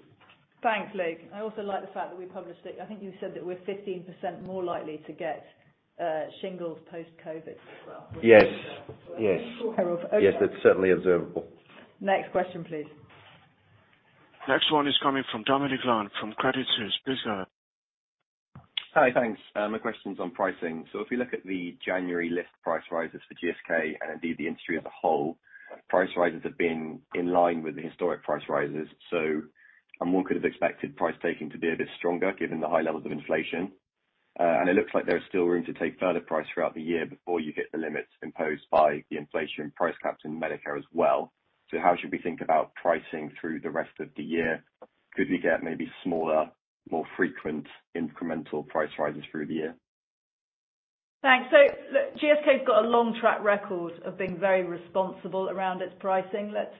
Thanks, Luke. I also like the fact that we published it. I think you said that we're 15% more likely to get shingles post-COVID as well. Yes. Yes. Yes, it's certainly observable. Next question, please. Next one is coming from Dominic Lunn from Credit Suisse. Please go ahead. Hi, thanks. My question's on pricing. If you look at the January list price rises for GSK, and indeed the industry as a whole, price rises have been in line with the historic price rises. One could have expected price taking to be a bit stronger given the high levels of inflation. It looks like there's still room to take further price throughout the year before you hit the limits imposed by the inflation price caps in Medicare as well. How should we think about pricing through the rest of the year? Could we get maybe smaller, more frequent incremental price rises through the year? Thanks. GSK's got a long track record of being very responsible around its pricing. Let's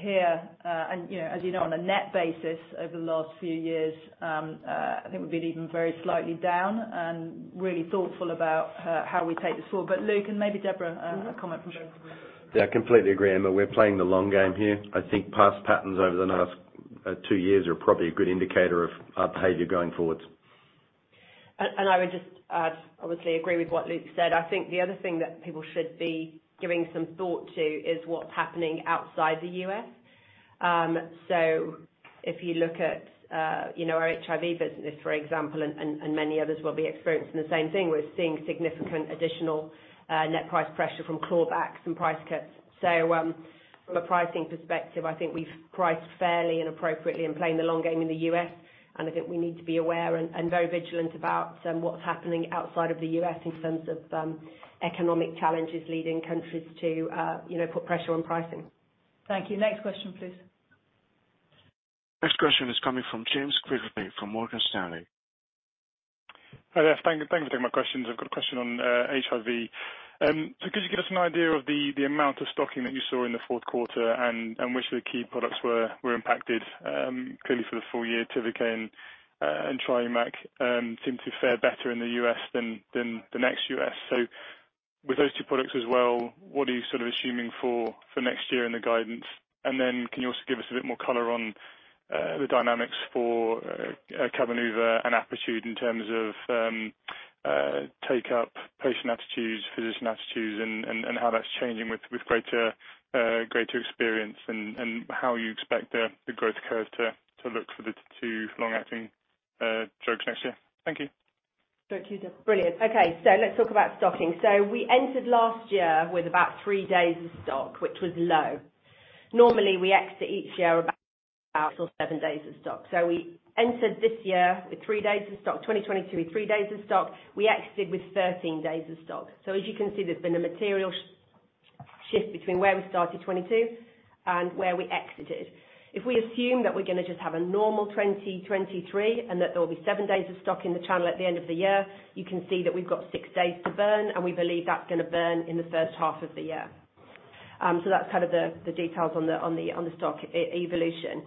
hear, and, you know, as you know, on a net basis over the last few years, I think we've been even very slightly down and really thoughtful about how we take this forward. Luke and maybe Deborah, a comment from both of you. Yeah, I completely agree, Emma. We're playing the long game here. I think past patterns over the last 2 years are probably a good indicator of our behavior going forward. I would just obviously agree with what Luke said. I think the other thing that people should be giving some thought to is what's happening outside the U.S. If you look at, you know, our HIV business, for example, and, and many others will be experiencing the same thing, we're seeing significant additional net price pressure from clawbacks and price cuts. From a pricing perspective, I think we've priced fairly and appropriately in playing the long game in the U.S., and I think we need to be aware and very vigilant about what's happening outside of the U.S. in terms of economic challenges leading countries to, you know, put pressure on pricing. Thank you. Next question, please. Next question is coming from James Quigley from Morgan Stanley. Hi there. Thank you for taking my questions. I've got a question on HIV. Could you give us an idea of the amount of stocking that you saw in the fourth quarter and which of the key products were impacted, clearly for the full year, Tivicay and Triumeq, seemed to fare better in the U.S. than the next U.S. With those two products as well, what are you sort of assuming for next year in the guidance? Can you also give us a bit more color on the dynamics for Cabenuva and Apretude in terms of take-up patient attitudes, physician attitudes and how that's changing with greater experience and how you expect the growth curve to look for the two long-acting drugs next year. Thank you. Go to you, Deb. Brilliant. Okay, let's talk about stocking. We entered last year with about 3 days of stock, which was low. Normally, we exit each year about seven days of stock. We entered this year with 3 days of stock, 2022 with three days of stock. We exited with 13 days of stock. As you can see, there's been a material shift between where we started 2022 and where we exited. If we assume that we're gonna just have a normal 2023 and that there will be seven days of stock in the channel at the end of the year, you can see that we've got six days to burn, and we believe that's gonna burn in the first half of the year. That's kind of the details on the, on the, on the stock evolution.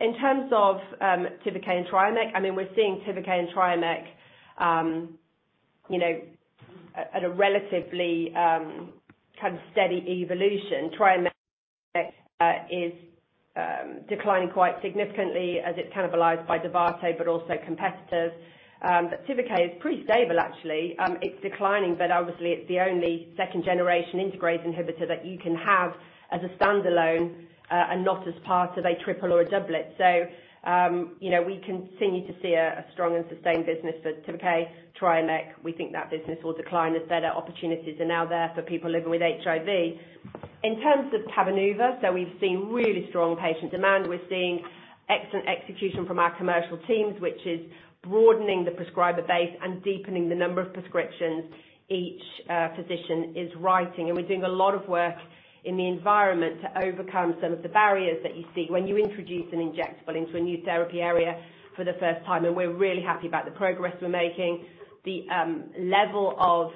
In terms of Tivicay and Triumeq, I mean, we're seeing Tivicay and Triumeq, you know, at a relatively steady evolution. Triumeq is declining quite significantly as it's cannibalized by Dovato, but also competitors. Tivicay is pretty stable actually. It's declining, but obviously it's the only second generation integrase inhibitor that you can have as a standalone and not as part of a triple or a doublet. You know, we continue to see a strong and sustained business for Tivicay. Triumeq, we think that business will decline as better opportunities are now there for people living with HIV. In terms of Cabenuva, we've seen really strong patient demand. We're seeing excellent execution from our commercial teams, which is broadening the prescriber base and deepening the number of prescriptions each physician is writing. We're doing a lot of work in the environment to overcome some of the barriers that you see when you introduce an injectable into a new therapy area for the first time, and we're really happy about the progress we're making. The level of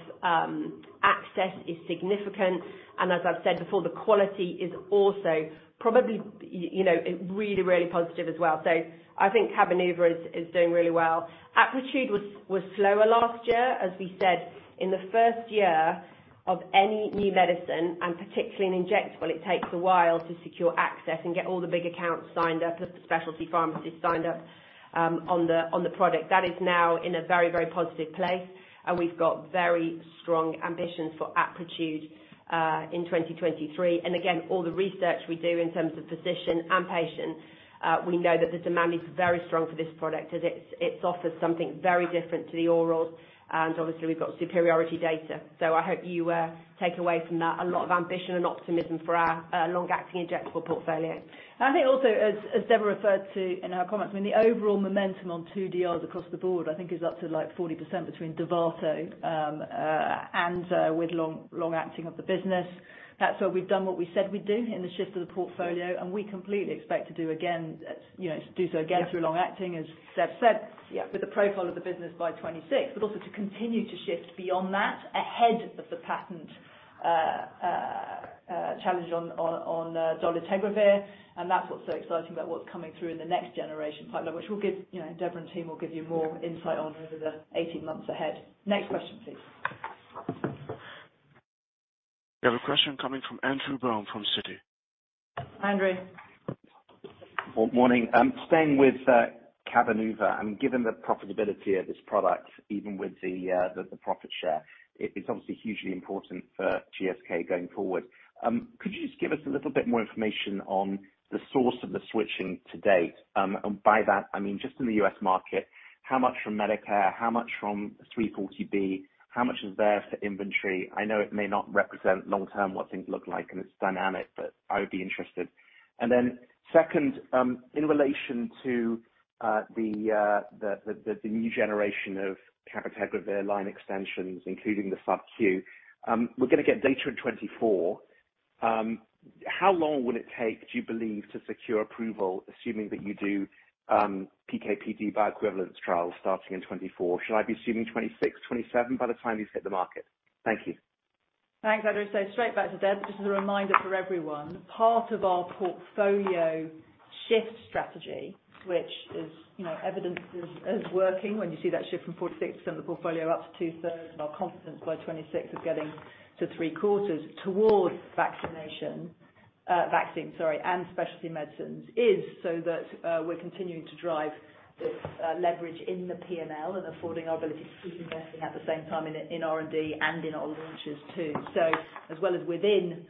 access is significant, and as I've said before, the quality is also probably, you know, really, really positive as well. I think Cabenuva is doing really well. Apretude was slower last year. As we said, in the first year of any new medicine, and particularly an injectable, it takes a while to secure access and get all the big accounts signed up, the specialty pharmacies signed up, on the product. That is now in a very, very positive place and we've got very strong ambitions for Apretude in 2023. Again, all the research we do in terms of physician and patient, we know that the demand is very strong for this product, as it's offered something very different to the orals, and obviously, we've got superiority data. I hope you take away from that a lot of ambition and optimism for our long-acting injectable portfolio. I think also, as Deborah referred to in her comments, I mean, the overall momentum on 2DRs across the board, I think is up to, like, 40% between Dovato and with long acting of the business. That's why we've done what we said we'd do in the shift of the portfolio, and we completely expect to do again, you know, to do so again through long-acting, as Deb said. Yeah. With the profile of the business by 26, but also to continue to shift beyond that ahead of the patent challenge on dolutegravir. That's what's so exciting about what's coming through in the next generation pipeline, which we'll give, you know, Deborah and team will give you more insight on over the 18 months ahead. Next question, please. We have a question coming from Andrew Baum from Citi. Andrew? Well, morning. Staying with Cabenuva and given the profitability of this product, even with the profit share, it's obviously hugely important for GSK going forward. Could you just give us a little bit more information on the source of the switching to date? By that, I mean, just in the U.S. market, how much from Medicare, how much from 340B, how much is there for inventory? I know it may not represent long-term what things look like, and it's dynamic, but I would be interested. Then second, in relation to the new generation of cabotegravir line extensions, including the Sub-Q, we're gonna get data in 2024. How long will it take, do you believe, to secure approval, assuming that you do PK/PD bioequivalence trials starting in 2024? Should I be assuming 2026, 2027 by the time these hit the market? Thank you. Thanks, Andrew Baum. Straight back to Deb. Just as a reminder for everyone, part of our portfolio shift strategy, which is, evidence is working when you see that shift from 46% of the portfolio up to 2/3 of our confidence by 2026 of getting to 3/4 towards vaccine, sorry, and specialty medicines, is so that we're continuing to drive this leverage in the P&L and affording our ability to keep investing at the same time in R&D and in our launches too. As well as within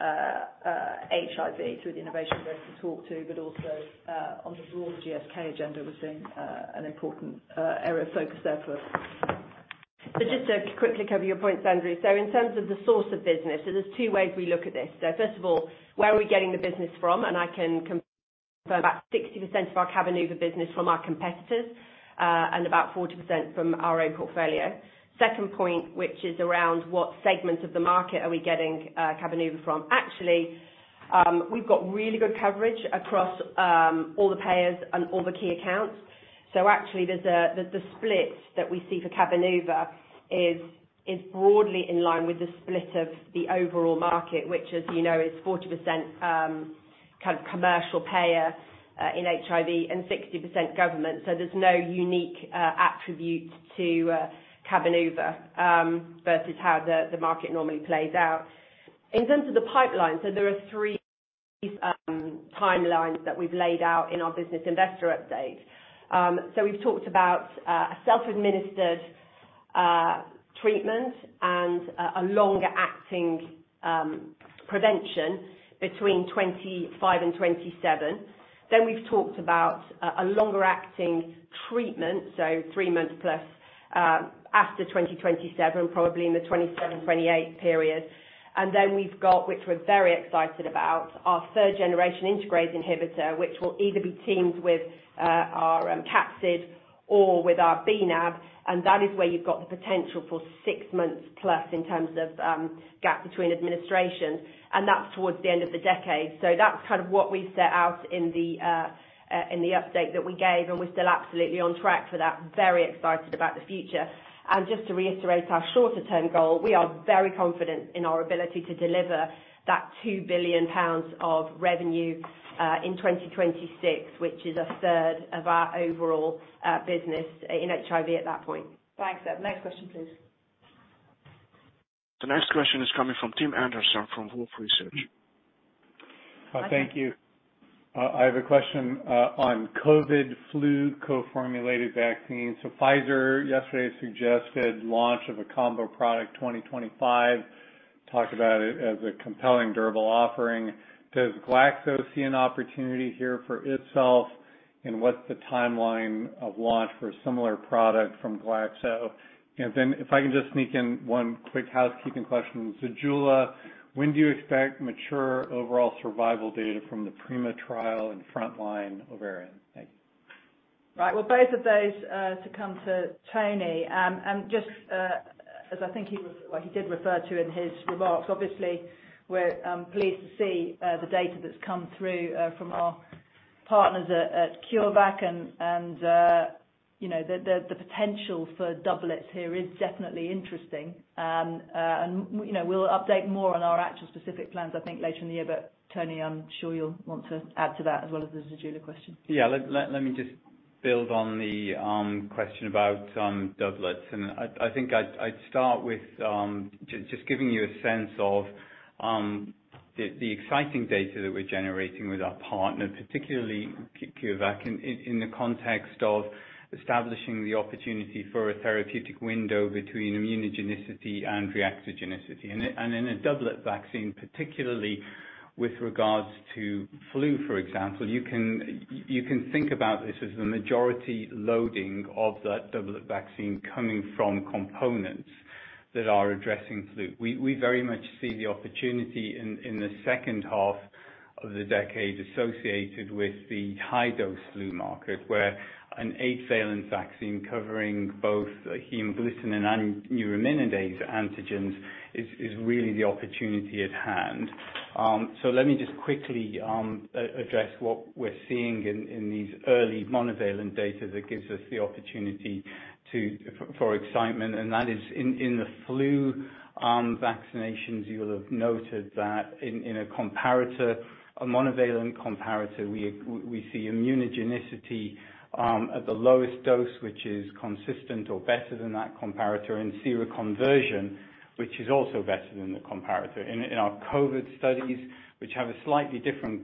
HIV through the innovation we're going to talk to, but also on the broader GSK agenda, we're seeing an important area of focus there for us. Just to quickly cover your points, Andrew Baum. In terms of the source of business, there's two ways we look at this. First of all, where are we getting the business from? I can confirm about 60% of our Cabenuva business from our competitors, and about 40% from our own portfolio. Second point, which is around what segment of the market are we getting Cabenuva from. Actually, we've got really good coverage across all the payers and all the key accounts. Actually, there's the split that we see for Cabenuva is broadly in line with the split of the overall market, which as you know, is 40% kind of commercial payer in HIV, and 60% government. There's no unique attribute to Cabenuva versus how the market normally plays out. In terms of the pipeline, there are three timelines that we've laid out in our business investor update. We've talked about self-administered treatment and a longer acting prevention between 25 and 27. We've talked about a longer acting treatment, so three months plus, after 2027, probably in the 27-28 period. We've got, which we're very excited about, our third generation integrase inhibitor, which will either be teamed with our capsid or with our BNAB, and that is where you've got the potential forsix months plus in terms of gap between administration, and that's towards the end of the decade. That's kind of what we set out in the update that we gave, and we're still absolutely on track for that. Very excited about the future. Just to reiterate our shorter term goal, we are very confident in our ability to deliver that two billion pounds of revenue in 2026, which is a third of our overall business in HIV at that point. Thanks, Deb. Next question, please. The next question is coming from Timothy Anderson from Wolfe Research. Hi, Tim. Thank you. I have a question on COVID flu co-formulated vaccines. Pfizer yesterday suggested launch of a combo product 2025. Talked about it as a compelling durable offering. Does GSK see an opportunity here for itself? What's the timeline of launch for a similar product from GSK? If I can just sneak in one quick housekeeping question. Zejula, when do you expect mature overall survival data from the PRIMA trial and frontline ovarian? Thank you. Right. Well, both of those to come to Tony Wood. Just as I think well, he did refer to in his remarks, obviously, we're pleased to see the data that's come through from our partners at CureVac and, you know, the potential for doublets here is definitely interesting. You know, we'll update more on our actual specific plans, I think, later in the year. Tony Wood, I'm sure you'll want to add to that as well as the Zejula question. Yeah. Let me just build on the question about doublets. I think I'd start with just giving you a sense of the exciting data that we're generating with our partner, particularly CureVac, in the context of establishing the opportunity for a therapeutic window between immunogenicity and reactogenicity. In a doublet vaccine, particularly with regards to flu, for example, you can think about this as the majority loading of that doublet vaccine coming from components that are addressing flu. We very much see the opportunity in the second half of the decade associated with the high-dose flu market, where an 8-valent vaccine covering both hemagglutinin and neuraminidase antigens is really the opportunity at hand. Let me just quickly address what we're seeing in these early monovalent data that gives us the opportunity for excitement, and that is in the flu, vaccinations, you'll have noted that in a comparator, a monovalent comparator, we see immunogenicity, at the lowest dose, which is consistent or better than that comparator, and seroconversion, which is also better than the comparator. In, in our COVID studies, which have a slightly different,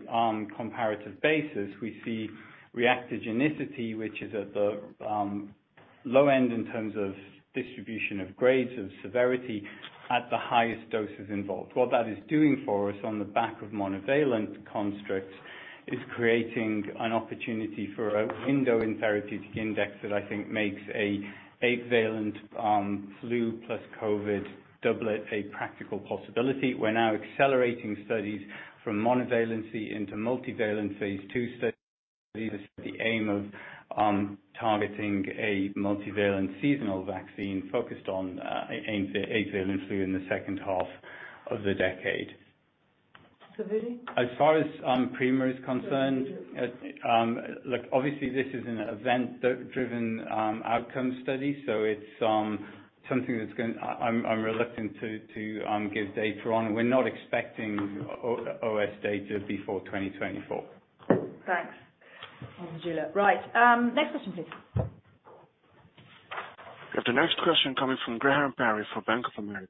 comparative basis, we see reactogenicity, which is at the, low end in terms of distribution of grades of severity at the highest doses involved. What that is doing for us on the back of monovalent constructs is creating an opportunity for a window in therapeutic index that I think makes a 8-valent, flu plus COVID doublet a practical possibility. We're now accelerating studies from monovalency into multivalent phase two studies with the aim of targeting a multivalent seasonal vaccine focused on a eight valent flu in the second half of the decade. Saviri? As far as PRIMA is concerned. Yeah, PRIMA. Look, obviously this is an event driven outcome study, so it's something that's I'm reluctant to give data on. We're not expecting OS data before 2024. Thanks. On Zejula. Right. next question, please. We have the next question coming from Graham Parry for Bank of America.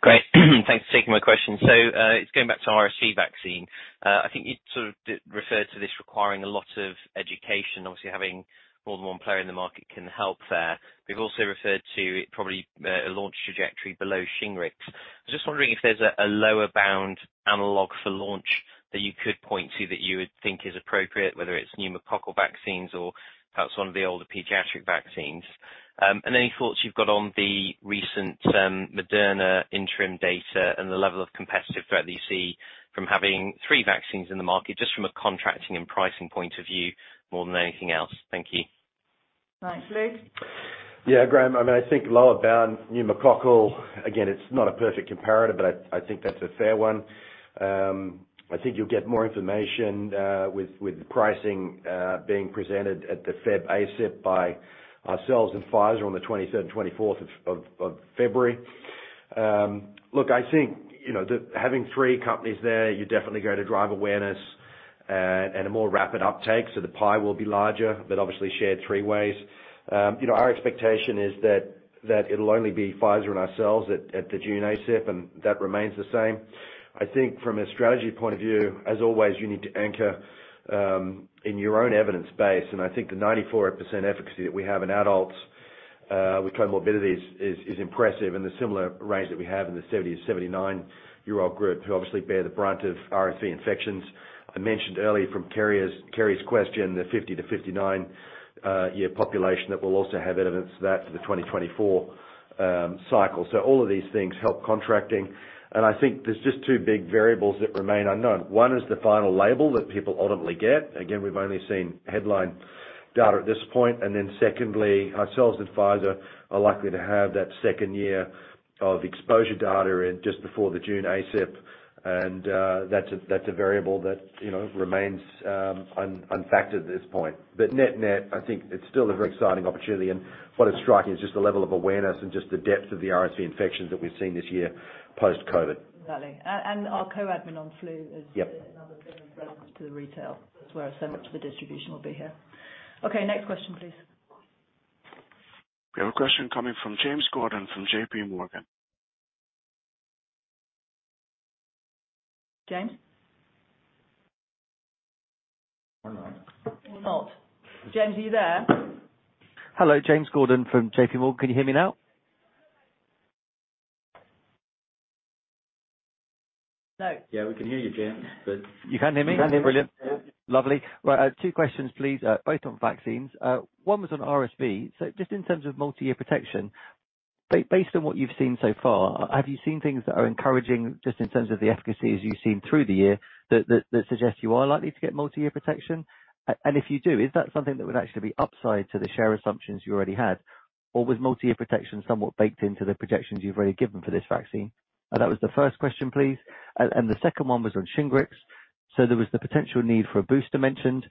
Great. Thanks for taking my question. It's going back to RSV vaccine. I think you sort of referred to this requiring a lot of education. Obviously, having more than one player in the market can help there. We've also referred to it probably, a launch trajectory below Shingrix. Just wondering if there's a lower bound analog for launch that you could point to that you would think is appropriate, whether it's pneumococcal vaccines or perhaps one of the older pediatric vaccines. Any thoughts you've got on the recent, Moderna interim data and the level of competitive threat that you see from having three vaccines in the market, just from a contracting and pricing point of view more than anything else. Thank you. Thanks. Luke? Yeah, Graham, I mean, I think lower bound pneumococcal, again, it's not a perfect comparator, but I think that's a fair one. I think you'll get more information with pricing being presented at the February ACIP by ourselves and Pfizer on the 23rd and 24th of February. Look, I think, you know, having three companies there, you're definitely going to drive awareness and a more rapid uptake, the pie will be larger, but obviously shared three ways. You know, our expectation is that it'll only be Pfizer and ourselves at the June ACIP, that remains the same. I think from a strategy point of view, as always, you need to anchor in your own evidence base. I think the 94% efficacy that we have in adults with comorbidities is impressive, and the similar range that we have in the 70-79-year-old group, who obviously bear the brunt of RSV infections. I mentioned earlier from Kerry's question, the 50-59 year population that will also have evidence that the 2024 cycle. All of these things help contracting. I think there's just two big variables that remain unknown. One is the final label that people ultimately get. Again, we've only seen headline data at this point. Secondly, ourselves and Pfizer are likely to have that second year of exposure data in just before the June ACIP. That's a variable that, you know, remains unfactored at this point. Net-net, I think it's still a very exciting opportunity. What is striking is just the level of awareness and just the depth of the RSV infections that we've seen this year post-COVID. Exactly. Our co-admin on flu. Yep. Another big reference to the retail. That's where so much of the distribution will be here. Okay, next question, please. We have a question coming from James Gordon from JP Morgan. James? Or not. Not. James, are you there? Hello. James Gordon from JP Morgan. Can you hear me now? Yeah, we can hear you, James, but- You can hear me? We can hear you. Brilliant. Lovely. Right, two questions please. Both on vaccines. One was on RSV. Just in terms of multi-year protection, based on what you've seen so far, have you seen things that are encouraging just in terms of the efficacy as you've seen through the year that suggest you are likely to get multi-year protection? If you do, is that something that would actually be upside to the share assumptions you already had? Or was multi-year protection somewhat baked into the projections you've already given for this vaccine? That was the first question, please. The second one was on Shingrix. There was the potential need for a booster mentioned.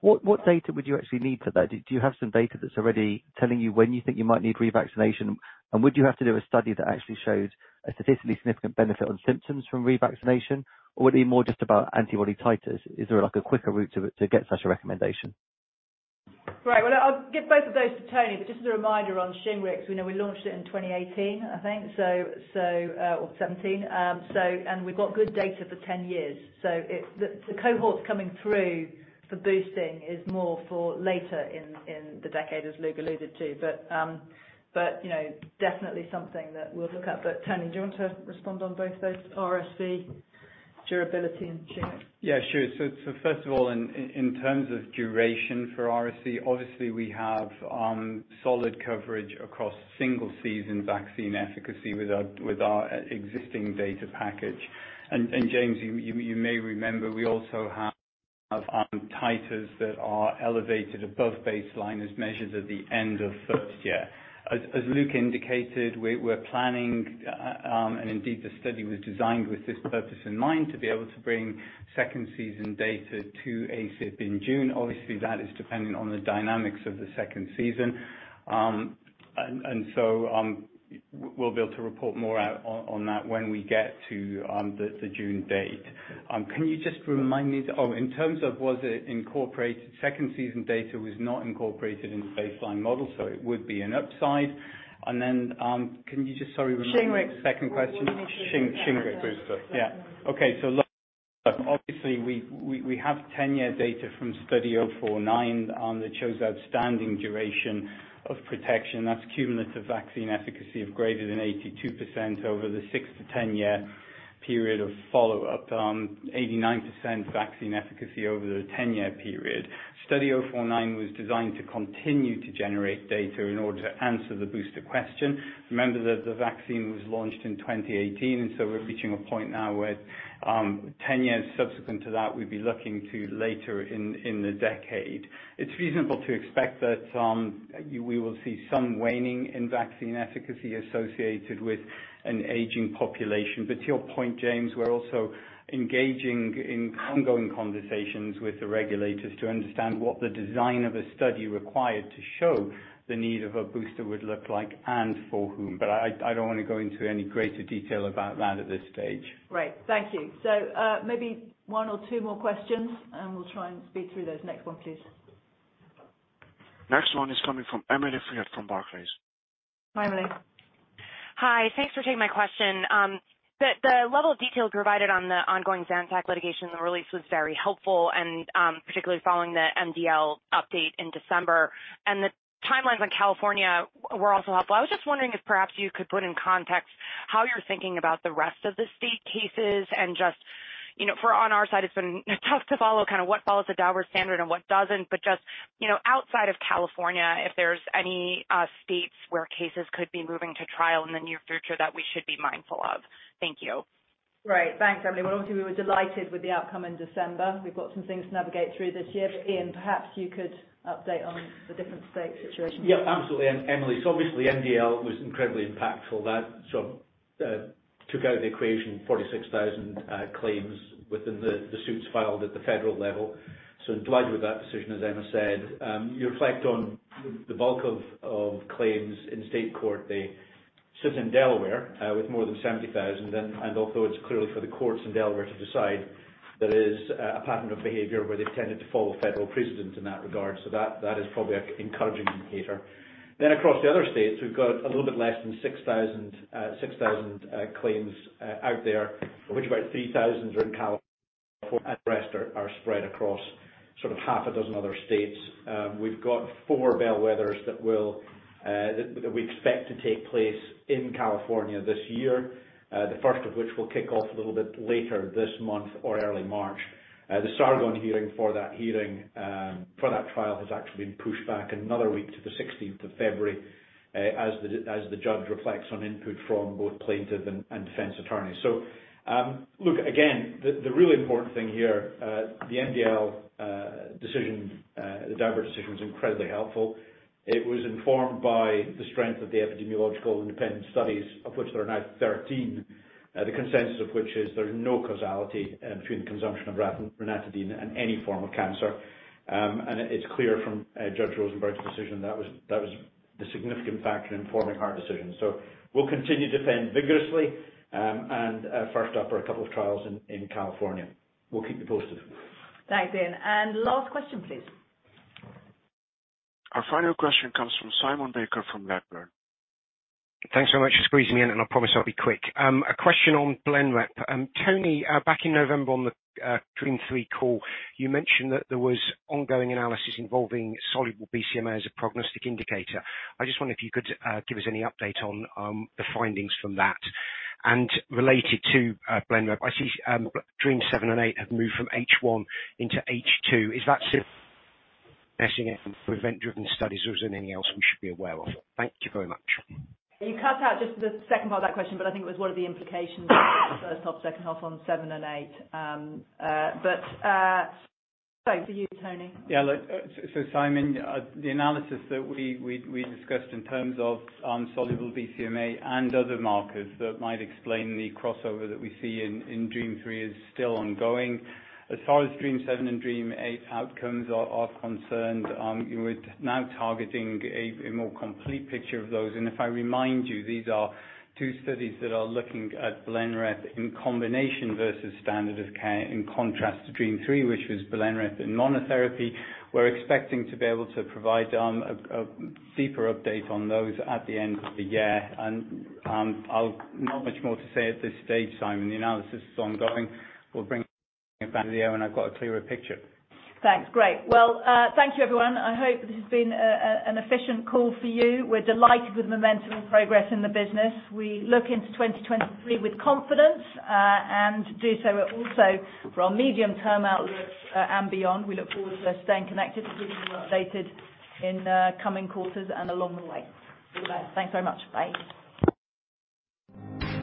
What data would you actually need for that? Do you have some data that's already telling you when you think you might need revaccination? Would you have to do a study that actually shows a statistically significant benefit on symptoms from revaccination? Would it be more just about antibody titers? Is there like a quicker route to get such a recommendation? Right. Well, I'll give both of those to Tony Wood. Just as a reminder on Shingrix, we know we launched it in 2018, I think so, or 17. We've got good data for 10 years. The cohorts coming through for boosting is more for later in the decade as Luke alluded to. You know, definitely something that we'll look at. Tony Wood, do you want to respond on both those RSV durability and Shingrix? Yeah, sure. First of all in terms of duration for RSV, obviously we have solid coverage across single season vaccine efficacy with our existing data package. James, you may remember we also have titers that are elevated above baseline as measured at the end of first year. As Luke indicated, we're planning, and indeed the study was designed with this purpose in mind, to be able to bring second season data to ACIP in June. That is dependent on the dynamics of the second season. We'll be able to report more out on that when we get to the June date. Can you just remind me... In terms of was it incorporated, second season data was not incorporated in the baseline model, so it would be an upside. Can you just sorry remind me? Shingrix the second question? You want me to repeat that one? Shingrix booster. Yeah. Okay. Look, obviously we have 10-year data from study 049 that shows outstanding duration of protection. That's cumulative vaccine efficacy of greater than 82% over the 6-10-year period of follow-up. 89% vaccine efficacy over the 10-year period. Study 049 was designed to continue to generate data in order to answer the booster question. Remember that the vaccine was launched in 2018. We're reaching a point now with 10 years subsequent to that, we'd be looking to later in the decade. It's reasonable to expect that we will see some waning in vaccine efficacy associated with an aging population. To your point, James, we're also engaging in ongoing conversations with the regulators to understand what the design of a study required to show the need of a booster would look like and for whom. I don't wanna go into any greater detail about that at this stage. Great. Thank you. Maybe one or two more questions, and we'll try and speed through those. Next one, please. Next one is coming from Emily Field from Barclays. Hi, Emily. Hi. Thanks for taking my question. The level of detail provided on the ongoing Zantac litigation release was very helpful and particularly following the MDL update in December. The timelines on California were also helpful. I was just wondering if perhaps you could put in context how you're thinking about the rest of the state cases and just, you know, for on our side, it's been tough to follow kinda what follows the Delaware standard and what doesn't. Just, you know, outside of California, if there's any states where cases could be moving to trial in the near future that we should be mindful of. Thank you. Great. Thanks, Emily. Well, obviously we were delighted with the outcome in December. We've got some things to navigate through this year. Iain Mackay, perhaps you could update on the different state situations. Yeah, absolutely. Emily, obviously MDL was incredibly impactful. That sort took out the equation 46,000 claims within the suits filed at the federal level. Delighted with that decision, as Emma said. You reflect on the bulk of claims in state court. They sit in Delaware with more than 70,000. Although it's clearly for the courts in Delaware to decide, there is a pattern of behavior where they've tended to follow federal precedent in that regard. That is probably a encouraging indicator. Across the other states, we've got a little bit less than 6,000 claims out there, of which about 3,000 are in California and the rest are spread across sort of half a dozen other states. We've got four bellwethers that will, that we expect to take place in California this year, the first of which will kick off a little bit later this month or early March. The Sargon hearing for that hearing, for that trial has actually been pushed back another week to the 16th of February, as the judge reflects on input from both plaintiff and defense attorneys. Look, again, the really important thing here, the MDL decision, the Delaware decision was incredibly helpful. It was informed by the strength of the epidemiological independent studies, of which there are now 13. The consensus of which is there's no causality between the consumption of ranitidine and any form of cancer. It's clear from Judge Rosenberg's decision that was the significant factor in forming our decision. We'll continue to defend vigorously, and first up are a couple of trials in California. We'll keep you posted. Thanks, Iain. Last question, please. Our final question comes from Simon Baker from Redburn. Thanks so much for squeezing me in, and I promise I'll be quick. A question on Blenrep. Tony Wood, back in November on the DREAMM-3 call, you mentioned that there was ongoing analysis involving soluble BCMA as a prognostic indicator. I just wonder if you could give us any update on the findings from that. Related to Blenrep, I see DREAMM-7 and DREAMM-8 have moved from H1 into H2. Is that simply messing it for event-driven studies or is there anything else we should be aware of? Thank you very much. You cut out just the second part of that question, but I think it was what are the implications of the first half, second half on seven and eight. Sorry, over to you, Tony Wood. Yeah. Look, Simon, the analysis that we discussed in terms of soluble BCMA and other markers that might explain the crossover that we see in Dream three is still ongoing. As far as Dream seven and Dream eight outcomes are concerned, we're now targeting a more complete picture of those. If I remind you, these are two studies that are looking at Blenrep in combination versus standard of care, in contrast to Dream three, which was Blenrep in monotherapy. We're expecting to be able to provide a deeper update on those at the end of the year. Not much more to say at this stage, Simon. The analysis is ongoing. We'll bring it back to you when I've got a clearer picture. Thanks. Great. Well, thank you, everyone. I hope this has been an efficient call for you. We're delighted with the momentum and progress in the business. We look into 2023 with confidence, and do so also for our medium-term outlook, and beyond. We look forward to staying connected as we keep you updated in the coming quarters and along the way. All the best. Thanks very much. Bye.